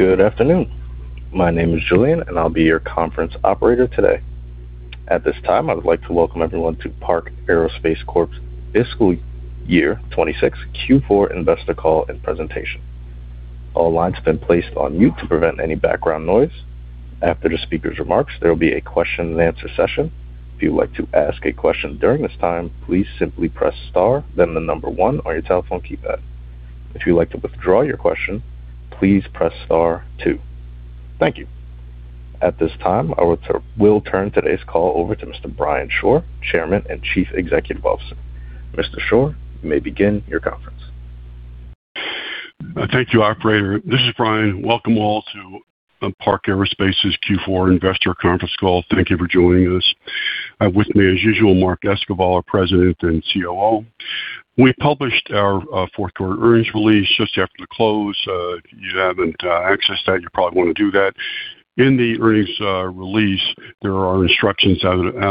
Good afternoon. My name is Julian, I'll be your conference operator today. At this time, I would like to welcome everyone to Park Aerospace Corp.'s fiscal year 2026 Q4 investor call and presentation. All lines have been placed on mute to prevent any background noise. After the speaker's remarks, there will be a question-and-answer session. If you would like to ask a question during this time, please simply press star then the number one on your telephone keypad. If you would like to withdraw your question, please press star two. Thank you. At this time, I will turn today's call over to Mr. Brian Shore, Chairman and Chief Executive Officer. Mr. Shore, you may begin your conference. Thank you, operator. This is Brian. Welcome all to Park Aerospace’s Q4 investor conference call. Thank you for joining us. With me, as usual, Mark Esquivel, President and COO. We published our fourth quarter earnings release just after the close. If you haven’t accessed that, you probably want to do that. In the earnings release, there are instructions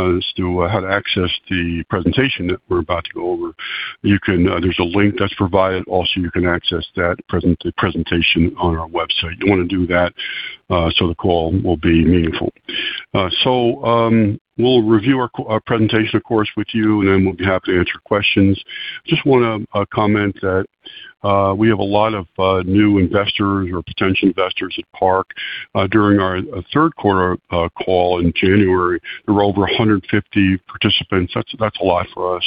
as to how to access the presentation that we’re about to go over. There’s a link that’s provided. Also, you can access that presentation on our website. You want to do that so the call will be meaningful. We’ll review our presentation, of course, with you, and then we’ll be happy to answer questions. Just want to comment that we have a lot of new investors or potential investors at Park. During our third quarter call in January, there were over 150 participants. That’s a lot for us.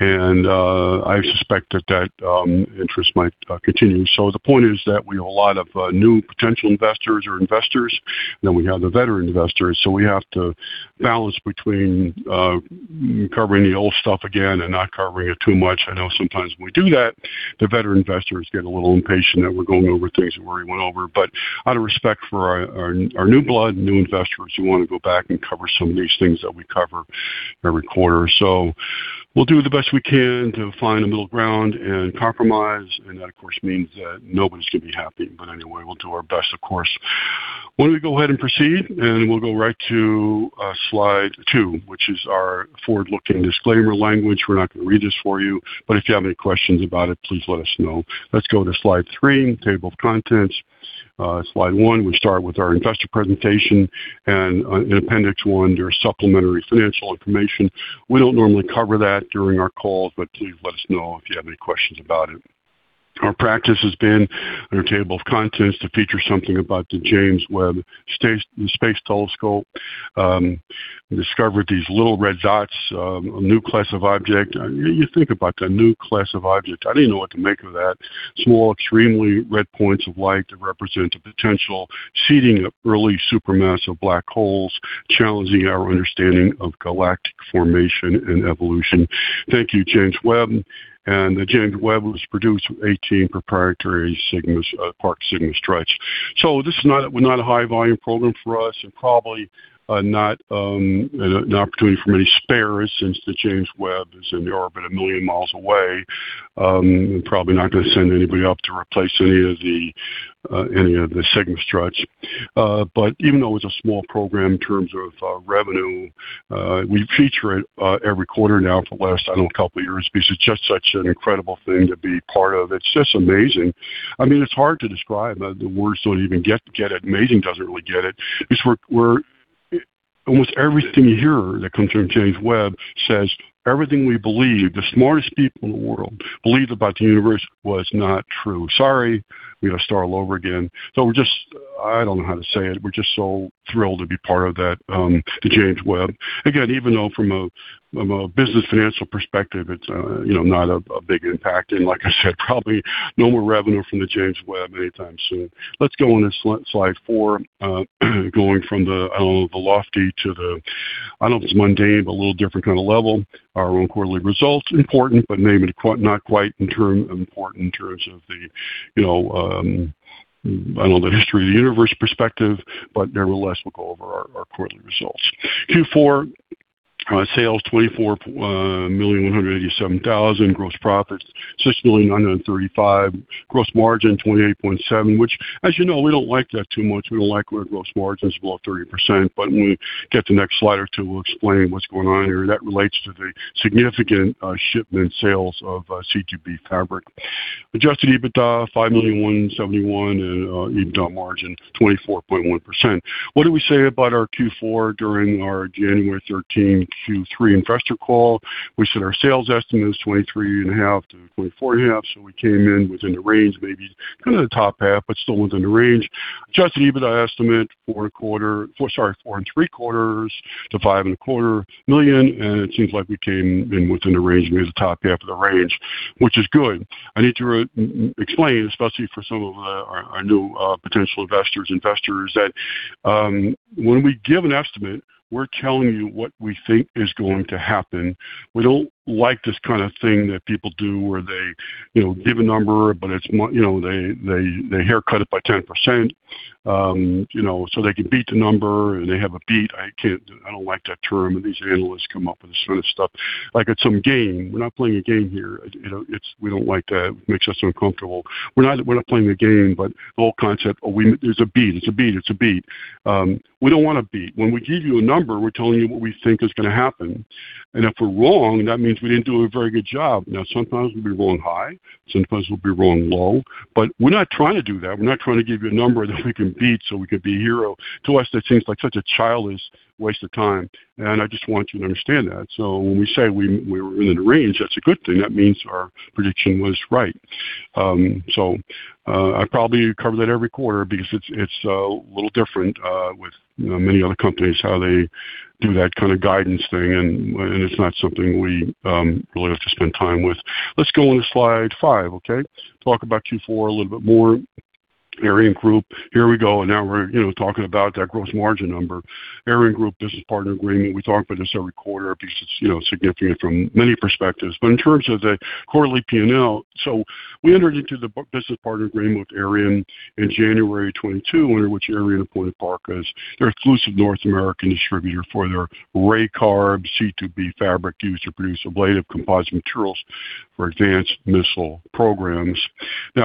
I suspect that that interest might continue. The point is that we have a lot of new potential investors or investors, then we have the veteran investors. We have to balance between covering the old stuff again and not covering it too much. I know sometimes when we do that, the veteran investors get a little impatient that we're going over things that we already went over. Out of respect for our new blood, new investors, we want to go back and cover some of these things that we cover every quarter. We'll do the best we can to find a middle ground and compromise, and that of course means that nobody's going to be happy, but anyway, we'll do our best of course. Why don't we go ahead and proceed, and we'll go right to slide two, which is our forward-looking disclaimer language. We're not going to read this for you, but if you have any questions about it, please let us know. Let's go to slide three, table of contents. Slide one, we start with our investor presentation, and in appendix one, there's supplementary financial information. We don't normally cover that during our calls, but please let us know if you have any questions about it. Our practice has been, on our table of contents, to feature something about the James Webb Space Telescope. We discovered these little red dots, a new class of object. You think about that, a new class of object. I didn't know what to make of that. Small, extremely red points of light that represent a potential seeding of early supermassive black holes, challenging our understanding of galactic formation and evolution. Thank you, James Webb. The James Webb was produced with 18 proprietary Park SIGMA STRUTs. This is not a high-volume program for us and probably not an opportunity for many spares since the James Webb is in the orbit a million miles away. Probably not going to send anybody up to replace any of the SIGMA STRUTs. Even though it's a small program in terms of revenue, we feature it every quarter now for the last, I don't know, couple of years because it's just such an incredible thing to be part of. It's just amazing. It's hard to describe. The words don't even get it. Amazing doesn't really get it. Because almost everything you hear that comes from James Webb says everything we believe, the smartest people in the world believe about the universe was not true. Sorry, we've got to start all over again. I don't know how to say it. We're just so thrilled to be part of the James Webb. Even though from a business financial perspective, it's not a big impact. Like I said, probably no more revenue from the James Webb anytime soon. Let's go on to slide four. Going from the lofty to the, I don't know if it's mundane, but a little different kind of level. Our own quarterly results, important, but maybe not quite important in terms of the history of the universe perspective. Nevertheless, we'll go over our quarterly results. Q4 sales $24,187,000. Gross profits, $6,935,000. Gross margin 28.7%, which as you know, we don't like that too much. We don't like our gross margins above 30%, but when we get to the next slide or two, we'll explain what's going on here. That relates to the significant shipment sales of C2B fabric. Adjusted EBITDA, $5,171,000, and EBITDA margin 24.1%. What did we say about our Q4 during our January 13th Q3 investor call? We said our sales estimate is $23.5 million-$24.5 million, we came in within the range, maybe kind of the top half, but still within the range. Adjusted EBITDA estimate, $4,750,000-$5,250,000 and it seems like we came in within the range, maybe the top half of the range, which is good. I need to explain, especially for some of our new potential investors, that when we give an estimate, we're telling you what we think is going to happen. We don't like this kind of thing that people do where they give a number, they haircut it by 10%, they can beat the number and they have a beat. I don't like that term. These analysts come up with this sort of stuff like it's some game. We're not playing a game here. We don't like that. Makes us uncomfortable. We're not playing a game. The whole concept, "Oh, there's a beat. It's a beat." We don't want a beat. When we give you a number, we're telling you what we think is going to happen. If we're wrong, that means we didn't do a very good job. Now, sometimes we'll be wrong high, sometimes we'll be wrong low. We're not trying to do that. We're not trying to give you a number that we can beat so we could be a hero. To us, that seems like such a childish waste of time. I just want you to understand that. When we say we were within the range, that's a good thing. That means our prediction was right. I probably cover that every quarter because it's a little different with many other companies, how they do that kind of guidance thing, and it's not something we really have to spend time with. Let's go into slide five, okay? Talk about Q4 a little bit more. ArianeGroup. Here we go, now we're talking about that gross margin number. ArianeGroup business partner agreement, we talk about this every quarter because it's significant from many perspectives. In terms of the quarterly P&L, we entered into the business partner agreement with Ariane in January of 2022, under which Ariane appointed Park as their exclusive North American distributor for their RAYCARB C2B fabric, used to produce ablative composite materials for advanced missile programs.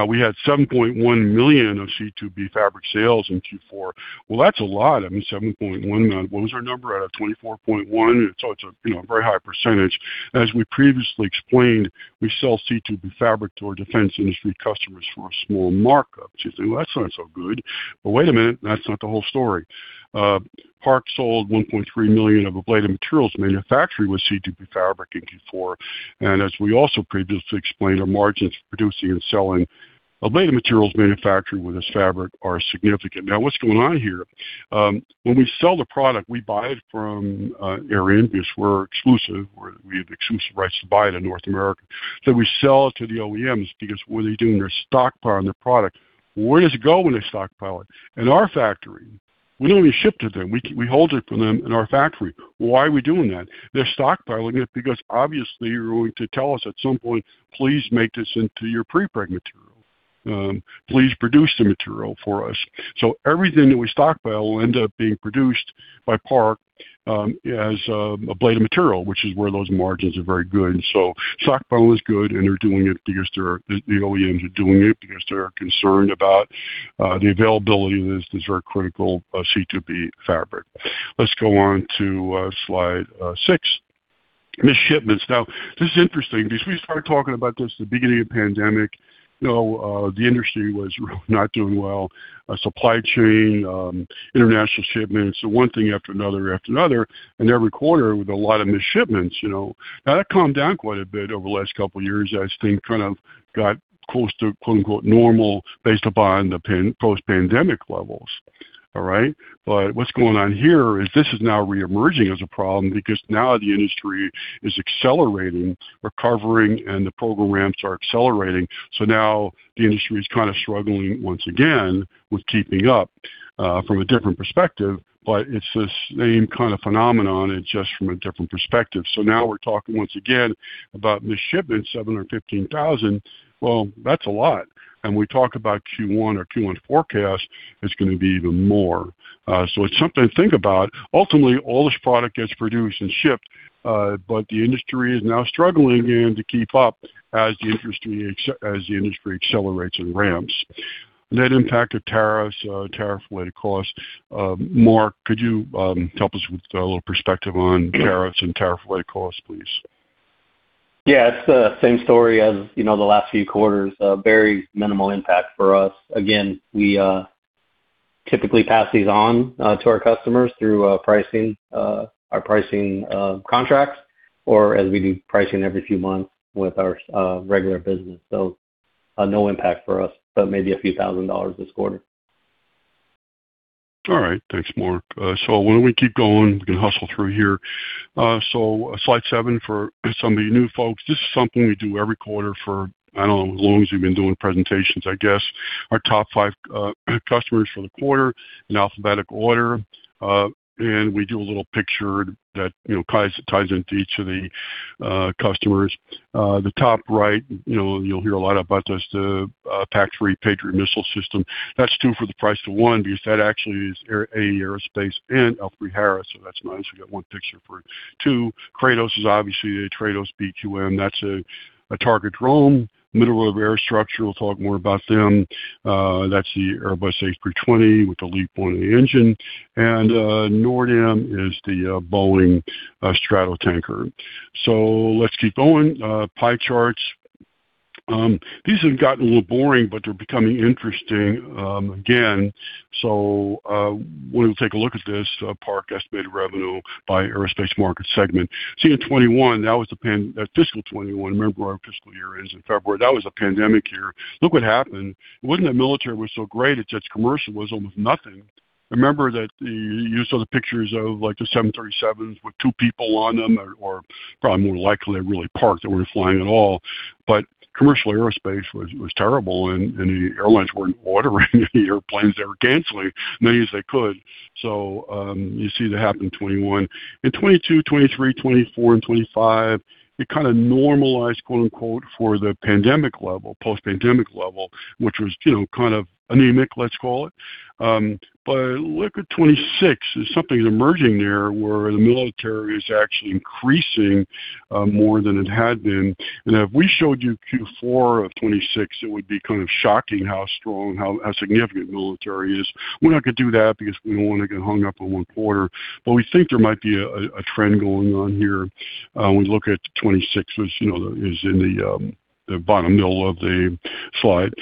We had $7.1 million of C2B fabric sales in Q4. Well, that's a lot. I mean, $7.1 million. What was our number out of 24.1%? It's a very high percentage. As we previously explained, we sold C2B fabric to our defense initiative customers for a small markup. You think, well, that's not so good, but wait a minute, that's not the whole story. Park sold $1.3 million of ablative materials manufactured with C2B fabric in Q4, and as we also previously explained, our margins for producing and selling ablative materials manufacturing with this fabric are significant. Now, what's going on here, when we sell the product, we buy it from Ariane because we're exclusive. We have exclusive rights to buy it in North America. We sell it to the OEMs because, well, they're doing their stockpile on their product. Where does it go when they stockpile it? In our factory. We don't even ship to them. We hold it for them in our factory. Why are we doing that? They're stockpiling it because obviously you're going to tell us at some point, "Please make this into your pre-preg material. Please produce the material for us." Everything that we stockpile will end up being produced by Park as ablative material, which is where those margins are very good. Stockpiling is good, and the OEMs are doing it because they are concerned about the availability of this very critical C2B fabric. Let's go on to slide six, missed shipments. Now, this is interesting because we started talking about this at the beginning of the pandemic. The industry was really not doing well. Supply chain, international shipments, one thing after another after another, every quarter with a lot of missed shipments. That calmed down quite a bit over the last couple of years as things kind of got close to "normal" based upon the post-pandemic levels. All right? What's going on here is this is now re-emerging as a problem because now the industry is accelerating, recovering, and the program ramps are accelerating. Now the industry is kind of struggling once again with keeping up from a different perspective, but it's the same kind of phenomenon, it's just from a different perspective. Now we're talking once again about missed shipments, 715,000. Well, that's a lot. We talk about Q1 or Q1 forecast, it's going to be even more. It's something to think about. Ultimately, all this product gets produced and shipped, but the industry is now struggling again to keep up as the industry accelerates and ramps. Net impact of tariffs, tariff-related costs. Mark, could you help us with a little perspective on tariffs and tariff-related costs, please? Yeah. It's the same story as the last few quarters. Very minimal impact for us. Again, we typically pass these on to our customers through our pricing contracts or as we do pricing every few months with our regular business. No impact for us, but maybe a few thousand dollars this quarter. All right. Thanks, Mark. Why don't we keep going? We can hustle through here. Slide seven for some of you new folks. This is something we do every quarter for, I don't know, as long as we've been doing presentations, I guess. Our top five customers for the quarter in alphabetic order. We do a little picture that ties into each of the customers. The top right, you'll hear a lot about this, the PAC-3 Patriot missile system. That's two for the price of one because that actually is Aerospace and L3Harris. That's nice. We got one picture for two. Kratos is obviously a Kratos BQM. That's a target drone. Middle River Aerostructure, we'll talk more about them. That's the Airbus A320 with the LEAP-1A engine. NORDAM is the Boeing Stratotanker. Let's keep going. Pie charts. These have gotten a little boring, but they're becoming interesting again. Why don't we take a look at this? Park estimated revenue by aerospace market segment. See, in 2021, that was fiscal 2021. Remember where our fiscal year is, in February. That was a pandemic year. Look what happened. It wasn't that military was so great, it's just commercial was almost nothing. Remember that you saw the pictures of the 737s with two people on them, or probably more than likely they're really parked. They weren't flying at all. Commercial aerospace was terrible, and the airlines weren't ordering any airplanes. They were canceling as many as they could. You see that happened in 2021. In 2022, 2023, 2024, and 2025, it kind of normalized "for the pandemic level," post-pandemic level, which was kind of anemic, let's call it. Look at 2026. Something's emerging there where the military is actually increasing more than it had been. If we showed you Q4 of 2026, it would be kind of shocking how strong, how significant military is. We're not going to do that because we don't want to get hung up on one quarter, but we think there might be a trend going on here. We look at 2026, which is in the bottom middle of the slide.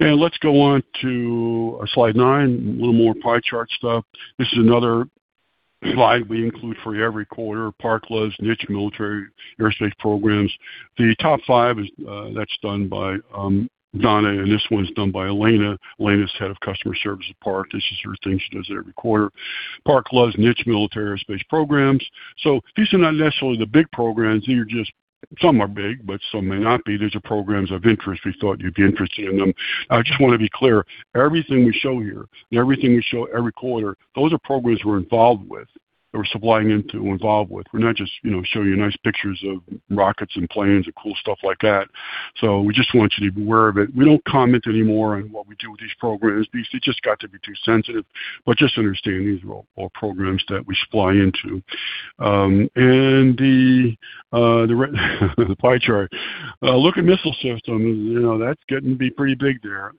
Let's go on to slide nine, a little more pie chart stuff. This is another slide we include for every quarter, Park loves niche military aerospace programs. The top five, that's done by Donna, and this one's done by Alaina. Alaina's Head of Customer Service at Park. This is her thing she does every quarter. Park loves niche military aerospace programs. These are not necessarily the big programs. Some are big, but some may not be. These are programs of interest. We thought you'd be interested in them. I just want to be clear, everything we show here, and everything we show every quarter, those are programs we're involved with, that we're supplying into. We're not just showing you nice pictures of rockets and planes and cool stuff like that. We just want you to be aware of it. We don't comment anymore on what we do with these programs. These just got to be too sensitive, just understand these are all programs that we supply into. The pie chart. Look at missile systems. That's getting to be pretty big there,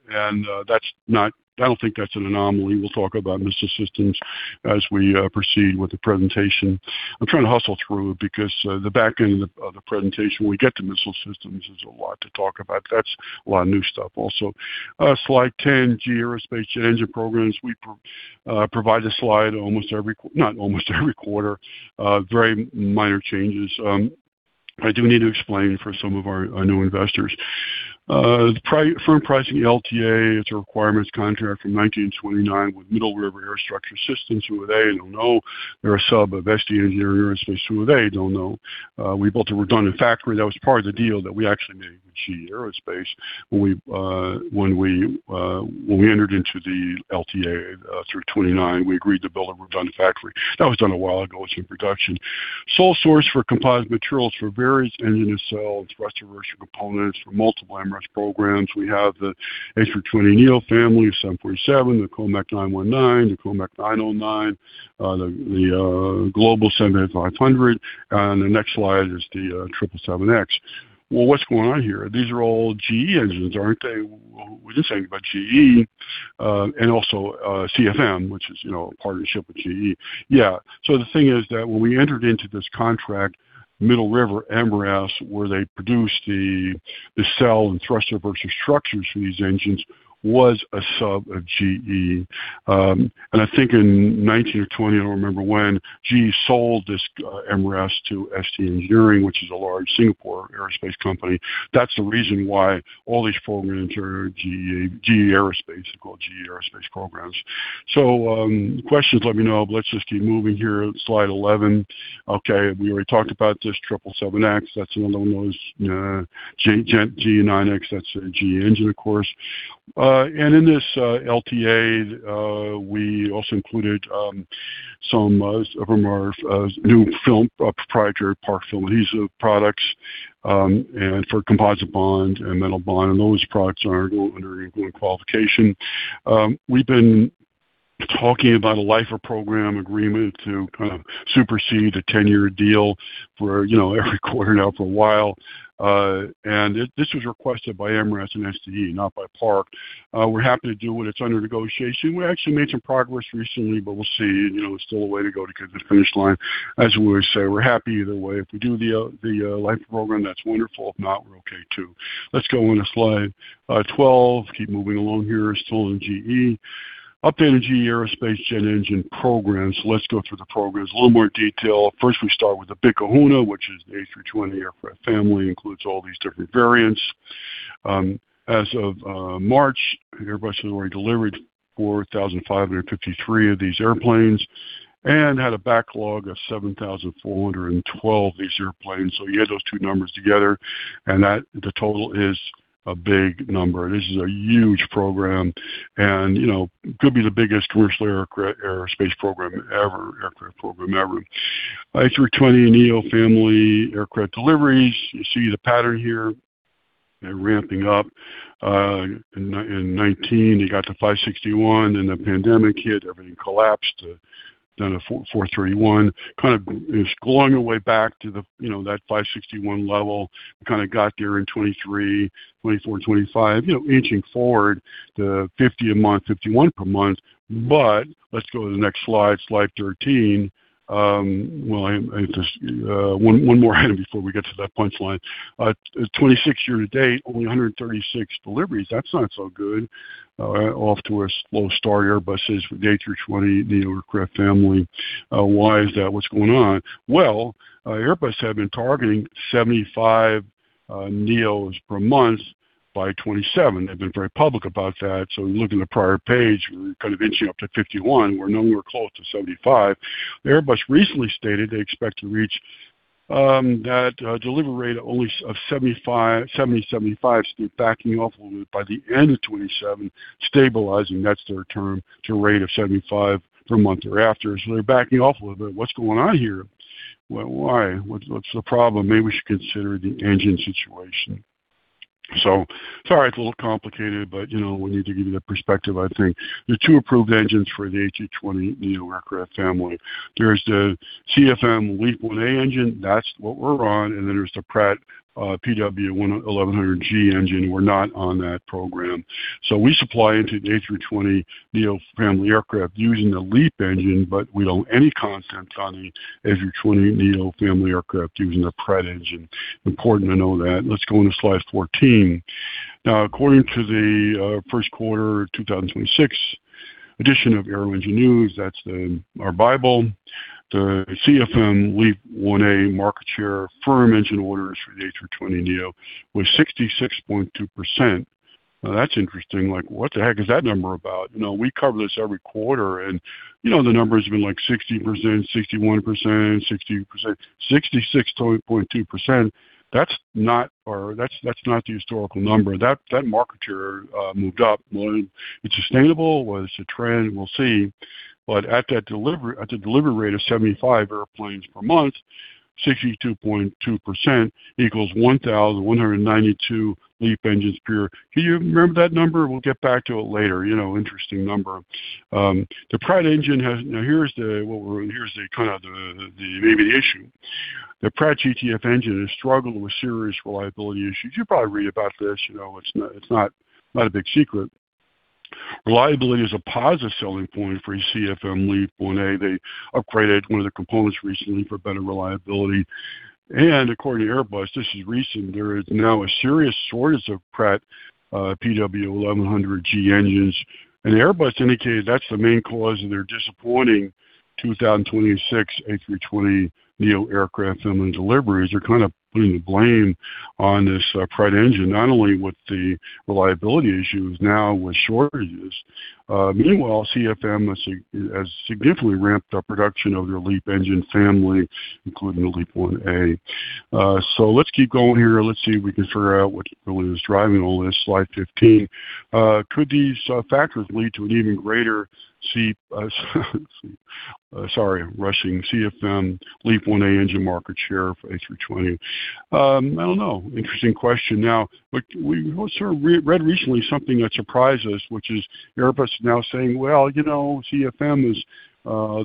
I don't think that's an anomaly. We'll talk about missile systems as we proceed with the presentation. I'm trying to hustle through because the back end of the presentation, when we get to missile systems, there's a lot to talk about. That's a lot of new stuff also. Slide 10, GE Aerospace jet engine programs. We provide a slide almost every, not almost every quarter, very minor changes. I do need to explain for some of our new investors. The firm pricing LTA, it's a requirements contract from 2019 to 2029 with Middle River Aerostructure Systems. Who are they? Don't know. They're a sub of ST Engineering Aerospace. Who are they? Don't know. We built a redundant factory. That was part of the deal that we actually made with GE Aerospace. When we entered into the LTA through 2029, we agreed to build a redundant factory. That was done a while ago. It's in production. Sole source for composite materials for various engine nacelles, thrust reverser components for multiple MRAS programs. We have the A320neo family, 747, the COMAC C919, the COMAC C909, the Global 7500. The next slide is the 777X. Well, what's going on here? These are all GE engines, aren't they? We didn't say anything about GE. Also, CFM, which is a partnership with GE. Yeah. The thing is that when we entered into this contract, Middle River, MRAS, where they produced the cell and thrust reverser structures for these engines, was a sub of GE. I think in 2019 or 2020, I don't remember when, GE sold this MRAS to ST Engineering, which is a large Singapore aerospace company. That's the reason why all these programs are GE Aerospace. It's called GE Aerospace programs. Questions, let me know. Let's just keep moving here. Slide 11. Okay. We already talked about this 777X. That's a little-known GE9X. That's a GE engine, of course. In this LTA, we also included some of our new film, proprietary Park film adhesive products, and for composite bond and metal bond, and those products are undergoing qualification. We've been talking about a LifePort Program Agreement to kind of supersede the 10-year deal for every quarter now for a while. This was requested by MRAS and STE, not by Park. We're happy to do it. It's under negotiation. We actually made some progress recently, but we'll see. There's still a way to go to get to the finish line. As we always say, we're happy either way. If we do the LifePort program, that's wonderful. If not, we're okay too. Let's go on to slide 12. Keep moving along here. Still in GE. Updated GE Aerospace jet engine programs. Let's go through the programs, a little more detail. First, we start with the big kahuna, which is the A320 aircraft family, includes all these different variants. As of March, Airbus has already delivered 4,553 of these airplanes and had a backlog of 7,412 of these airplanes. You add those two numbers together, and the total is a big number. This is a huge program, and could be the biggest commercial aerospace program ever, aircraft program ever. A320neo family aircraft deliveries. You see the pattern here. They're ramping up. In 2019, they got to 561, then the pandemic hit, everything collapsed, down to 431. Kind of is going away back to that 561 level. We kind of got there in 2023, 2024, 2025, inching forward to 50 a month, 51 per month. Let's go to the next slide 13. Well, one more item before we get to that punchline. 26 year to date, only 136 deliveries. That's not so good. Off to a slow start, Airbus' A320neo aircraft family. Why is that? What's going on? Well, Airbus had been targeting 75 neos per month by 2027. They've been very public about that. Looking at the prior page, we're kind of inching up to 51. We're nowhere close to 75. Airbus recently stated they expect to reach that delivery rate of 70, 75, backing off a little bit, by the end of 2027, stabilizing, that's their term, to a rate of 75 per month or after. They're backing off a little bit. What's going on here? Well, why? What's the problem? Maybe we should consider the engine situation. Sorry, it's a little complicated, but we need to give you the perspective, I think. The two approved engines for the A320neo aircraft family. There's the CFM LEAP-1A engine, that's what we're on, and then there's the Pratt PW1100G engine. We're not on that program. We supply into the A320neo family aircraft using the LEAP engine, but we don't have any content on the A320neo family aircraft using the Pratt engine. Important to know that. Let's go on to slide 14. According to the first quarter 2026 edition of Aero Engine News, that's our bible, the CFM LEAP-1A market share for engine orders for the A320neo was 66.2%. That's interesting. What the heck is that number about? We cover this every quarter, and the number has been, like, 60%, 61%, 60%. 66.2%, that's not the historical number. That market share moved up. Well, is it sustainable? Well, is it a trend? We'll see. At the delivery rate of 75 airplanes per month, 62.2%=1,192 LEAP engines per year. Can you remember that number? We'll get back to it later. Interesting number. The Pratt engine, now, here's the kind of the maybe issue. The Pratt GTF engine has struggled with serious reliability issues. You probably read about this. It's not a big secret. Reliability is a positive selling point for your CFM LEAP-1A. They upgraded one of the components recently for better reliability. According to Airbus, this is recent, there is now a serious shortage of Pratt PW1100G engines. Airbus indicated that's the main cause of their disappointing 2026 A320neo aircraft family deliveries. They're kind of putting the blame on this Pratt engine, not only with the reliability issues, now with shortages. Meanwhile, CFM has significantly ramped up production of their LEAP engine family, including the LEAP-1A. Let's keep going here. Let's see if we can figure out what really is driving all this. Slide 15. Could these factors lead to an even greater, sorry, I'm rushing, CFM LEAP-1A engine market share for A320? I don't know. Interesting question. We read recently something that surprised us, which is Airbus now saying, "Well, CFM is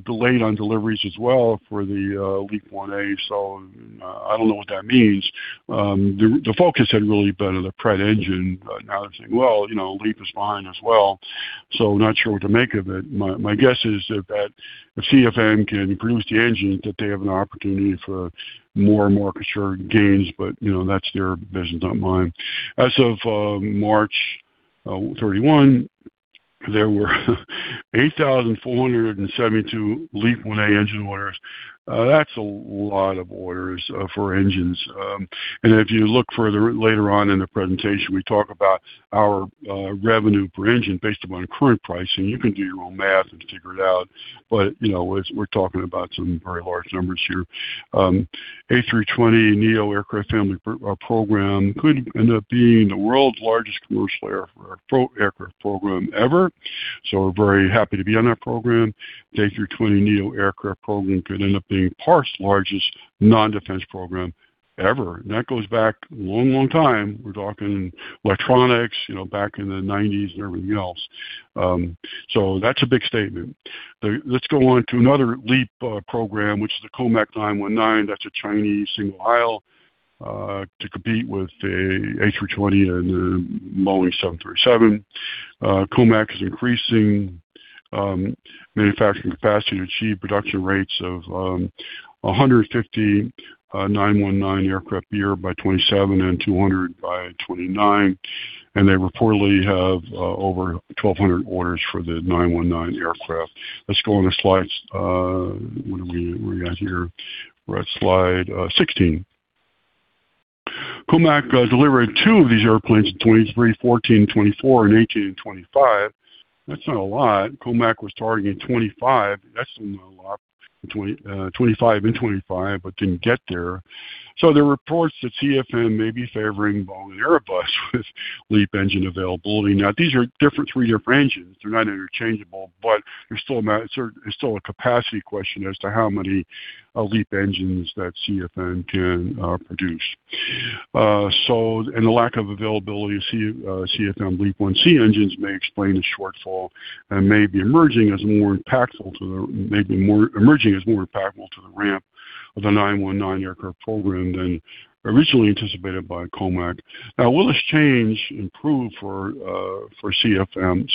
delayed on deliveries as well for the LEAP-1A." I don't know what that means. The focus had really been on the Pratt engine, but now they're saying, "Well, LEAP is fine as well." Not sure what to make of it. My guess is if CFM can produce the engine, that they have an opportunity for more and more assured gains, but that's their business, not mine. As of March 31, there were 8,472 LEAP-1A engine orders. That's a lot of orders for engines. If you look further later on in the presentation, we talk about our revenue per engine based upon current pricing. You can do your own math and figure it out. We're talking about some very large numbers here. A320neo aircraft family program could end up being the world's largest commercial aircraft program ever. We're very happy to be on that program. The A320neo aircraft program could end up being Park's largest non-defense program ever. That goes back a long, long time. We're talking electronics, back in the '90s and everything else. That's a big statement. Let's go on to another LEAP program, which is the COMAC 919. That's a Chinese single aisle to compete with the A320 and the Boeing 737. COMAC is increasing manufacturing capacity to achieve production rates of 150 919 aircraft a year by 2027 and 200 by 2029. They reportedly have over 1,200 orders for the 919 aircraft. Let's go on to slides. What do we got here? We're at slide 16. COMAC delivered two of these airplanes in 2023, 14 in 2024, and 18 in 2025. That's not a lot. COMAC was targeting 25. That's a little off, 25 in 2025, but didn't get there. There are reports that CFM may be favoring Boeing and Airbus with LEAP engine availability. Now, these are three different engines. They're not interchangeable, but there's still a capacity question as to how many LEAP engines that CFM can produce. The lack of availability of CFM LEAP-1C engines may explain the shortfall and may be emerging as more impactful to the ramp of the 919 aircraft program than originally anticipated by COMAC. Will this change improve for COMAC,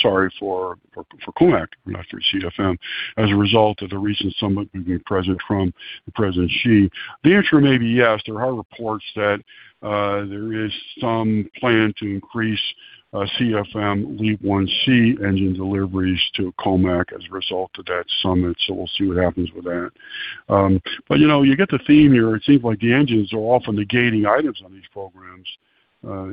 not for CFM, as a result of the recent summit between President Trump and President Xi? The answer may be yes. There are reports that there is some plan to increase CFM LEAP-1C engine deliveries to COMAC as a result of that summit. We'll see what happens with that. You know, you get the theme here. It seems like the engines are often the gating items on these programs.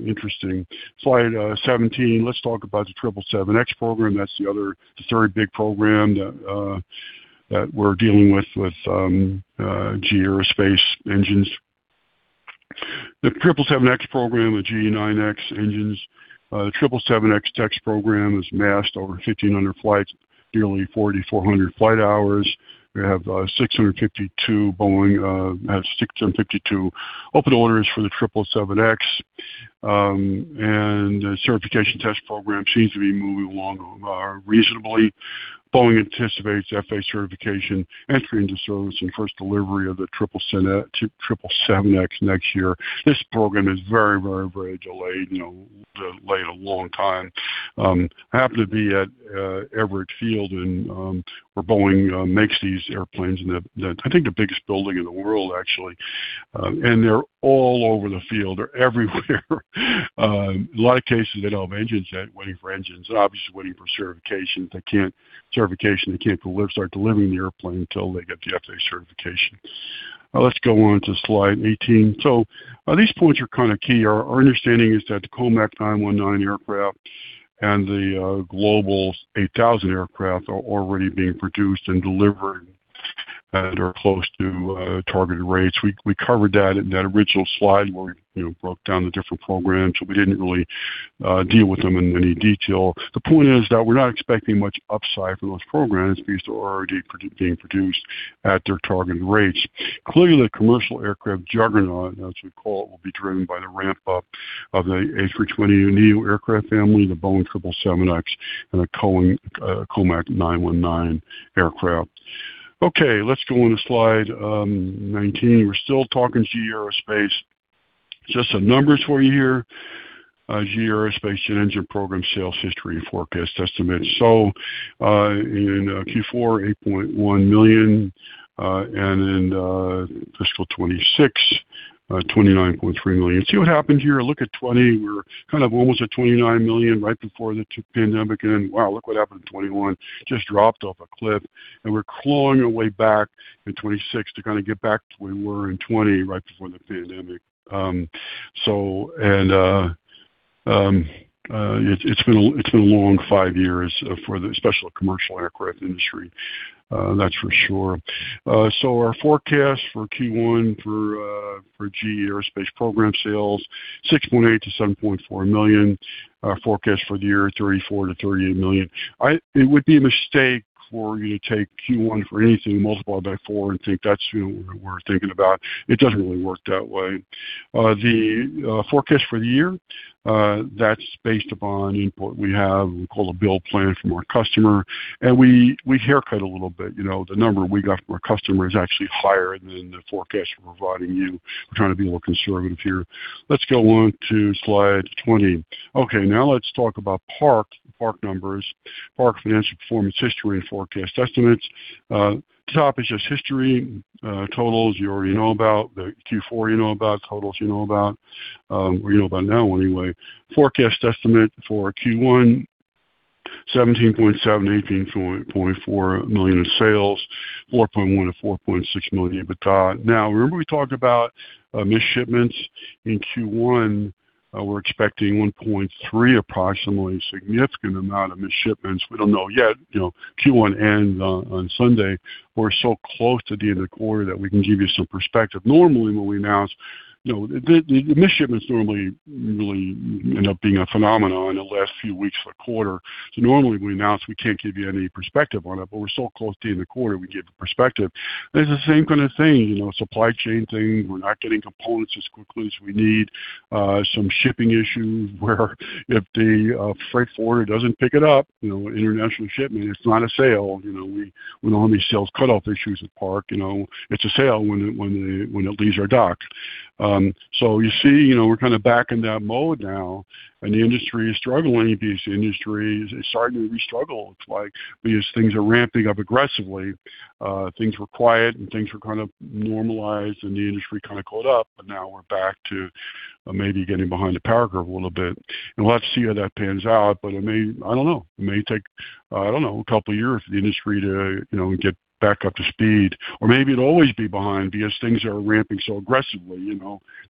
Interesting. Slide 17. Let's talk about the 777X program. That's the other third big program that we're dealing with GE Aerospace engines. The 777X program, the GE9X engines. The 777X test program has amassed over 1,500 flights, nearly 4,400 flight hours. Boeing has 652 open orders for the 777X. The certification test program seems to be moving along reasonably. Boeing anticipates FAA certification, entry into service, and first delivery of the 777X next year. This program is very very delayed a long time. I happened to be at Everett Field, where Boeing makes these airplanes, and I think the biggest building in the world, actually. They're all over the field. They're everywhere. A lot of cases, they don't have engines yet, waiting for engines. They're obviously waiting for certification. They can't start delivering the airplane until they get the FAA certification. Let's go on to slide 18. These points are kind of key. Our understanding is that the COMAC 919 aircraft and the Global 8000 aircraft are already being produced and delivered and are close to targeted rates. We covered that in that original slide where we broke down the different programs, we didn't really deal with them in any detail. The point is that we're not expecting much upside from those programs because they're already being produced at their targeted rates. Clearly, the commercial aircraft juggernaut, as we call it, will be driven by the ramp-up of the A320neo aircraft family, the Boeing 777X, and the COMAC 919 aircraft. Let's go on to slide 19. We're still talking GE Aerospace. Just some numbers for you here. GE Aerospace and engine program sales history and forecast estimates. In Q4, $8.1 million, and in fiscal 2026, $29.3 million. See what happened here? Look at 20. We're kind of almost at $29 million right before the pandemic. Wow, look what happened in 2021. Just dropped off a cliff. We're clawing our way back in 2026 to kind of get back to where we were in 2020 right before the pandemic. It's been a long five years, especially for the commercial aircraft industry, that's for sure. Our forecast for Q1 for GE Aerospace program sales, $6.8 million-$7.4 million. Our forecast for the year, $34 million-$38 million. It would be a mistake for you to take Q1 for anything multiplied by four. Think that's what we're thinking about. It doesn't really work that way. The forecast for the year, that's based upon input we have, we call a bill plan from our customer. We haircut a little bit. The number we got from our customer is actually higher than the forecast we're providing you. We're trying to be a little conservative here. Let's go on to slide 20. Okay, now let's talk about Park, the Park numbers. Park financial performance history and forecast estimates. Top is just history. Totals you already know about, the Q4 you know about, totals you know about. You know by now, anyway. Forecast estimate for Q1, $17.7 million-$18.4 million in sales, $4.1 million-$4.6 million EBITDA. Now, remember we talked about missed shipments in Q1? We're expecting $1.3 million approximately, significant amount of missed shipments. We don't know yet. Q1 ends on Sunday. We're so close to the end of the quarter that we can give you some perspective. Normally, when we announce, the missed shipments normally really end up being a phenomenon in the last few weeks of the quarter. Normally, when we announce, we can't give you any perspective on it, but we're so close to the end of the quarter, we give a perspective. It's the same kind of thing, supply chain thing. We're not getting components as quickly as we need. Some shipping issue where if the freight forwarder doesn't pick it up, international shipment, it's not a sale. We know all these sales cut-off issues with Park. It's a sale when it leaves our dock. You see, we're kind of back in that mode now, and the industry is struggling. The industry is starting to re-struggle, it looks like, because things are ramping up aggressively. Things were quiet, and things were kind of normalized, and the industry kind of caught up, but now we're back to maybe getting behind the power curve a little bit. We'll have to see how that pans out, but it may take, I don't know, a couple of years for the industry to get back up to speed. Maybe it'll always be behind because things are ramping so aggressively.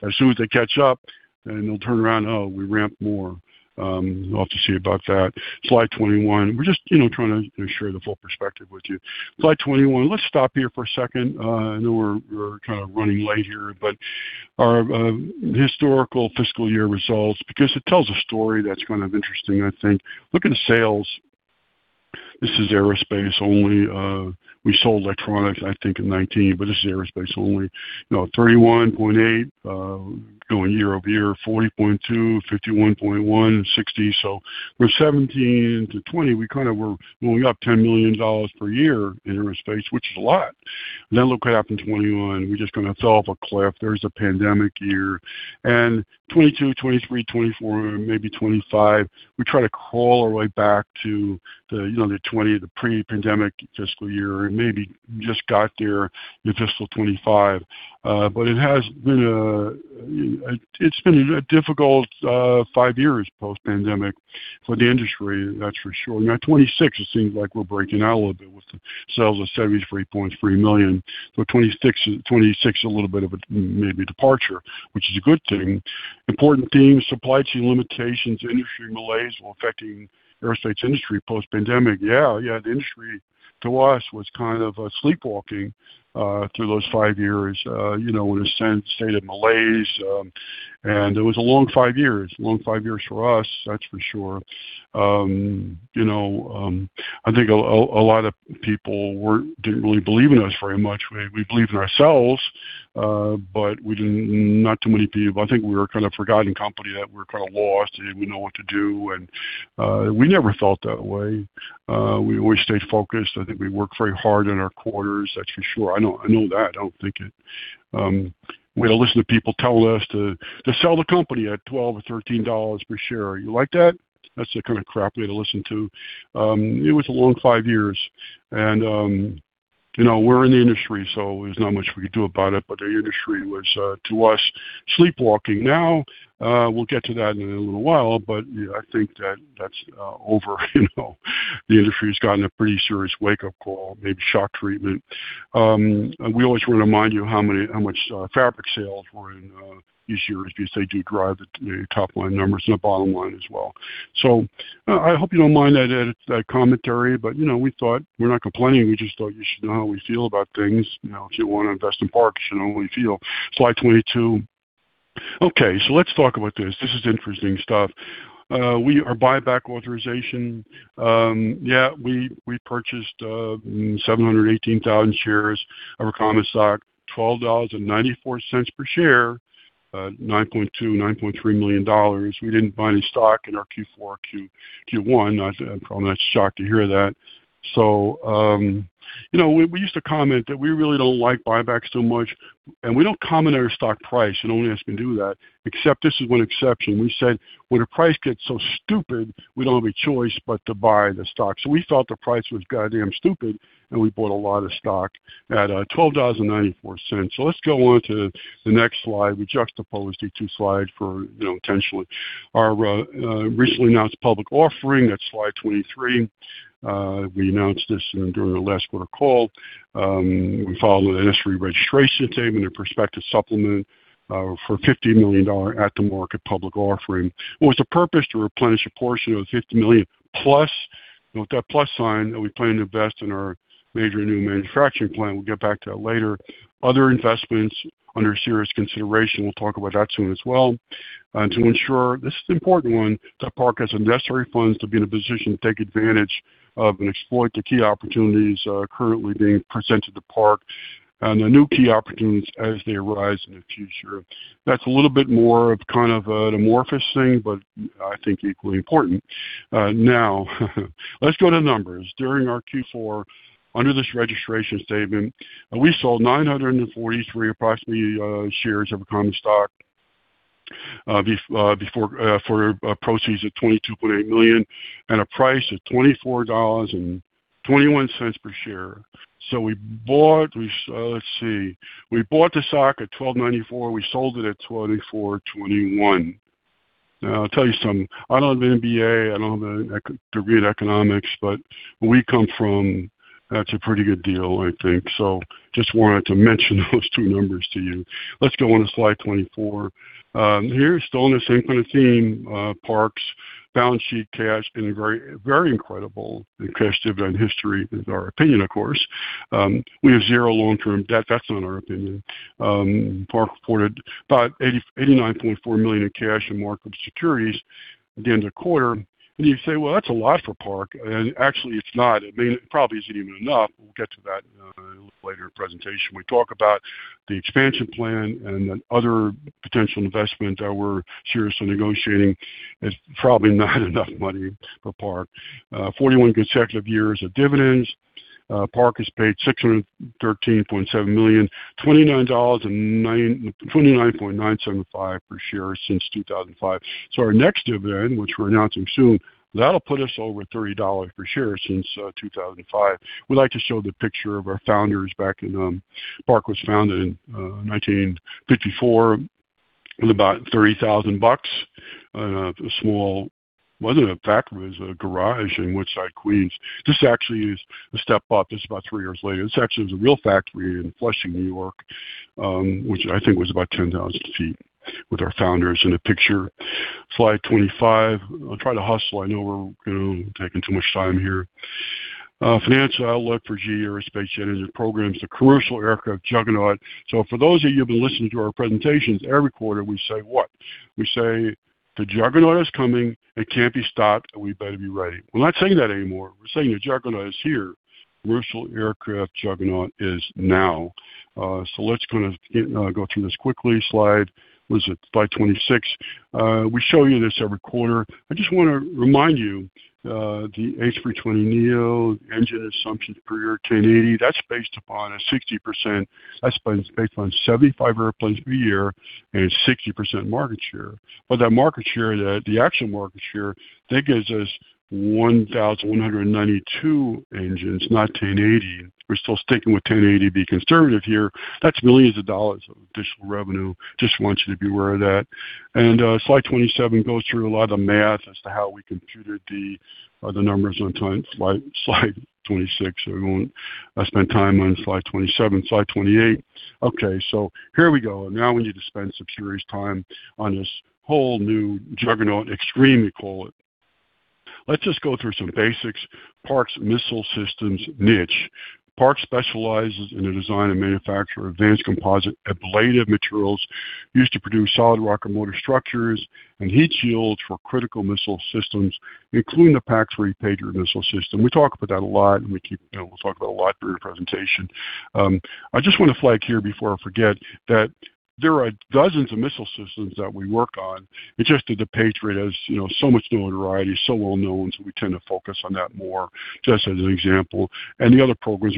As soon as they catch up, then they'll turn around, "Oh, we ramp more." We'll have to see about that. Slide 21. We're just trying to share the full perspective with you. Slide 21. Let's stop here for a second. I know we're kind of running late here, but our historical fiscal year results, because it tells a story that's kind of interesting, I think. Look at the sales. This is aerospace only. We sold electronics, I think, in 2019, but this is aerospace only. $31.8, going year-over-year, $40.2, $51.1, $60. From 2017 to 2020, we kind of were going up $10 million per year in aerospace, which is a lot. Look what happened 2021. We just kind of fell off a cliff. There's a pandemic year. 2022, 2023, 2024, maybe 2025, we try to crawl our way back to the 2020, the pre-pandemic fiscal year, and maybe just got there in fiscal 2025. It's been a difficult five years post-pandemic for the industry, that's for sure. 2026, it seems like we're breaking out a little bit with the sales of $73.3 million. 2026 is a little bit of a maybe departure, which is a good thing. Important themes, supply chain limitations, industry malaise while affecting aerospace industry post-pandemic. Yeah, the industry, to us, was kind of sleepwalking through those five years, in a sense, state of malaise, and it was a long five years. Long five years for us, that's for sure. I think a lot of people didn't really believe in us very much. We believed in ourselves, but not too many people. I think we were a kind of forgotten company, that we were kind of lost, didn't really know what to do, and we never felt that way. We always stayed focused. I think we worked very hard in our quarters, that's for sure. I know that. I don't think it. We had to listen to people tell us to sell the company at $12 or $13 per share. You like that? That's the kind of crap we had to listen to. It was a long five years. We're in the industry, so there's not much we could do about it, but which to us, sleepwalking now, we'll get to that in a little while, but I think that that's over. The industry's gotten a pretty serious wake-up call, maybe shock treatment. We always want to remind you how much fabric sales were in each year, as these do drive the top-line numbers and the bottom line as well. I hope you don't mind that commentary, but we're not complaining, we just thought you should know how we feel about things. If you want to invest in Park, you should know how we feel. Slide 22. Let's talk about this. This is interesting stuff. Our buyback authorization, we purchased 718,000 shares of our common stock, $12.94 per share, $9.2 million, $9.3 million. We didn't buy any stock in our Q4, Q1. I'm probably not shocked to hear that. We used to comment that we really don't like buybacks so much, and we don't comment on our stock price. You don't ask me to do that. Except this is one exception. We said, "When a price gets so stupid, we don't have a choice but to buy the stock." We felt the price was goddamn stupid, and we bought a lot of stock at $12.94. Let's go on to the next slide. We juxtaposed these two slides intentionally. Our recently announced public offering, that's slide 23. We announced this during our last quarter call. We filed the necessary registration statement and prospective supplement for a $50 million at-the-market public offering, with the purpose to replenish a portion of the $50+ million, note that plus sign, that we plan to invest in our major new manufacturing plant. We'll get back to that later. Other investments under serious consideration, we'll talk about that soon as well. To ensure, this is an important one, that Park has the necessary funds to be in a position to take advantage of and exploit the key opportunities currently being presented to Park and the new key opportunities as they arise in the future. That's a little bit more of an amorphous thing, but I think equally important. Now, let's go to numbers. During our Q4, under this registration statement, we sold 943 approximately shares of common stock, for proceeds of $22.8 million at a price of $24.21 per share. We bought the stock at $12.94, we sold it at $24.21. Now, I'll tell you something, I don't have an MBA, I don't have a degree in economics, but where we come from, that's a pretty good deal, I think. Just wanted to mention those two numbers to you. Let's go on to slide 24. Here, still on the same kind of theme, Park's balance sheet, cash, been very incredible in cash dividend history, is our opinion, of course. We have zero long-term debt. That's not our opinion. Park reported about $89.4 million in cash and market securities at the end of the quarter. You say, "Well, that's a lot for Park." Actually, it's not. It probably isn't even enough. We'll get to that a little later in the presentation. We talk about the expansion plan and the other potential investment that we're seriously negotiating. It's probably not enough money for Park. 41 consecutive years of dividends. Park has paid $613.7 million, $29.975 per share since 2005. Our next dividend, which we're announcing soon, that'll put us over $30 per share since 2005. We like to show the picture of our founders back in, Park was founded in 1954 with about $30,000. A small, it wasn't a factory, it was a garage in Woodside, Queens. This actually is a step up. This is about three years later. This actually is a real factory in Flushing, New York, which I think was about 10,000 ft, with our founders in the picture. Slide 25. I'll try to hustle. I know we're taking too much time here. Financial outlook for GE Aerospace engines and programs, the commercial aircraft juggernaut. For those of you who've been listening to our presentations, every quarter, we say what? We say, "The juggernaut is coming, it can't be stopped, and we better be ready." We're not saying that anymore. We're saying the juggernaut is here. Commercial aircraft juggernaut is now. Let's go through this quickly slide. Was it slide 26? We show you this every quarter. I just want to remind you, the A320neo engine assumptions per year, 1,080, that's based upon a 60%, that's based on 75 airplanes per year and a 60% market share. That market share, the actual market share, that gives us 1,192 engines, not 1,080. We're still sticking with 1,080 to be conservative here. That's millions of dollars of additional revenue. Just want you to be aware of that. Slide 27 goes through a lot of the math as to how we computed the numbers on slide 26. We won't spend time on slide 27. Slide 28. We need to spend some serious time on this whole new juggernaut extreme, we call it. Let's just go through some basics. Park's missile systems niche. Park specializes in the design and manufacture of advanced composite ablative materials used to produce solid rocket motor structures and heat shields for critical missile systems, including the PAC-3 Patriot missile system. We talk about that a lot, and we'll talk about it a lot during the presentation. I just want to flag here before I forget, that there are dozens of missile systems that we work on. It's just that the Patriot has so much notoriety, so well-known, so we tend to focus on that more, just as an example. The other programs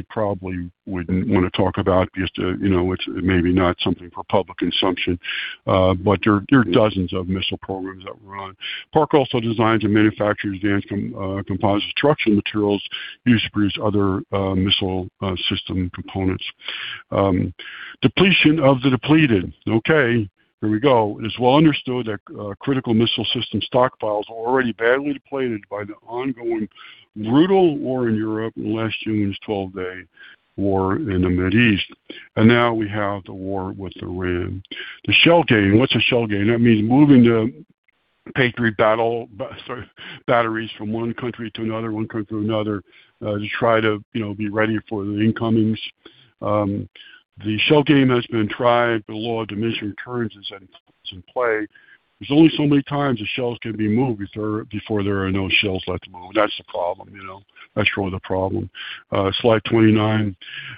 we probably wouldn't want to talk about because it's maybe not something for public consumption. There are dozens of missile programs that we're on. Park also designs and manufactures advanced composite structural materials used to produce other missile system components. Depletion of the depleted. Okay, here we go. It is well understood that critical missile system stockpiles were already badly depleted by the ongoing brutal war in Europe and last June's 12-day war in the Mideast. Now we have the war with Iran. The shell game. What's a shell game? That means moving the Patriot batteries from one country to another, one country to another, to try to be ready for the incomings. The shell game has been tried, but the law of diminishing returns is in play. There's only so many times the shells can be moved before there are no shells left to move. That's the problem. That's really the problem. Slide 29.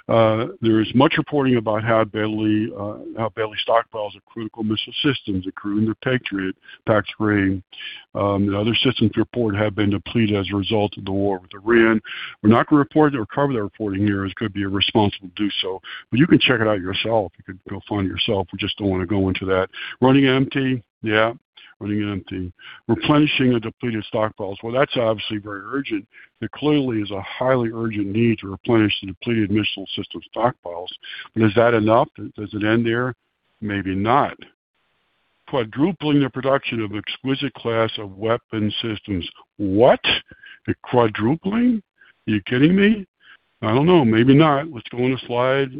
There is much reporting about how badly stockpiles of critical missile systems, including the Patriot, PAC-3, and other systems reported have been depleted as a result of the war with Iran. We're not going to report or cover the reporting here, as it could be irresponsible to do so. You can check it out yourself. You could go find it yourself. We just don't want to go into that. Running empty. Yeah. Running empty. Replenishing the depleted stockpiles. That's obviously very urgent. There clearly is a highly urgent need to replenish the depleted missile system stockpiles. Is that enough? Does it end there? Maybe not. Quadrupling the production of exquisite class of weapon systems. What? Quadrupling? You kidding me? I don't know. Maybe not. Let's go on to slide,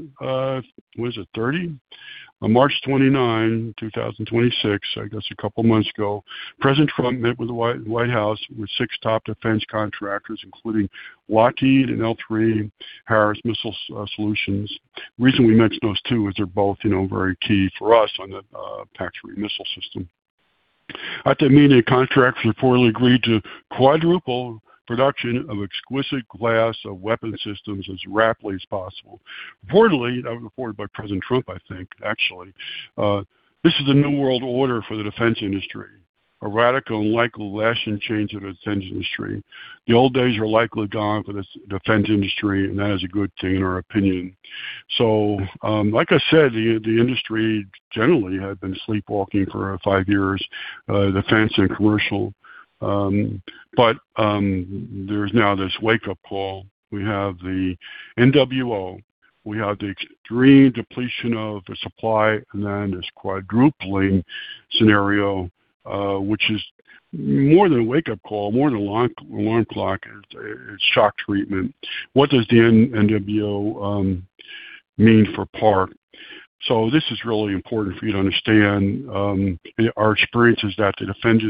what is it, 30? On March 29, 2026, I guess a couple of months ago, President Trump met with the White House with six top defense contractors, including Lockheed and L3Harris Missile Solutions. The reason we mention those two is they're both very key for us on the Patriot missile system. At the meeting, the contractors reportedly agreed to quadruple production of exquisite class of weapon systems as rapidly as possible. Reportedly, that was reported by President Trump, I think, actually. This is a new world order for the defense industry, a radical and likely lasting change of the defense industry. The old days are likely gone for the defense industry. That is a good thing, in our opinion. Like I said, the industry generally had been sleepwalking for five years, defense and commercial. There's now this wake-up call. We have the NWO, we have the extreme depletion of the supply. This quadrupling scenario, which is more than a wake-up call, more than an alarm clock. It's shock treatment. What does the NWO mean for Park? This is really important for you to understand. Our experience is that the defense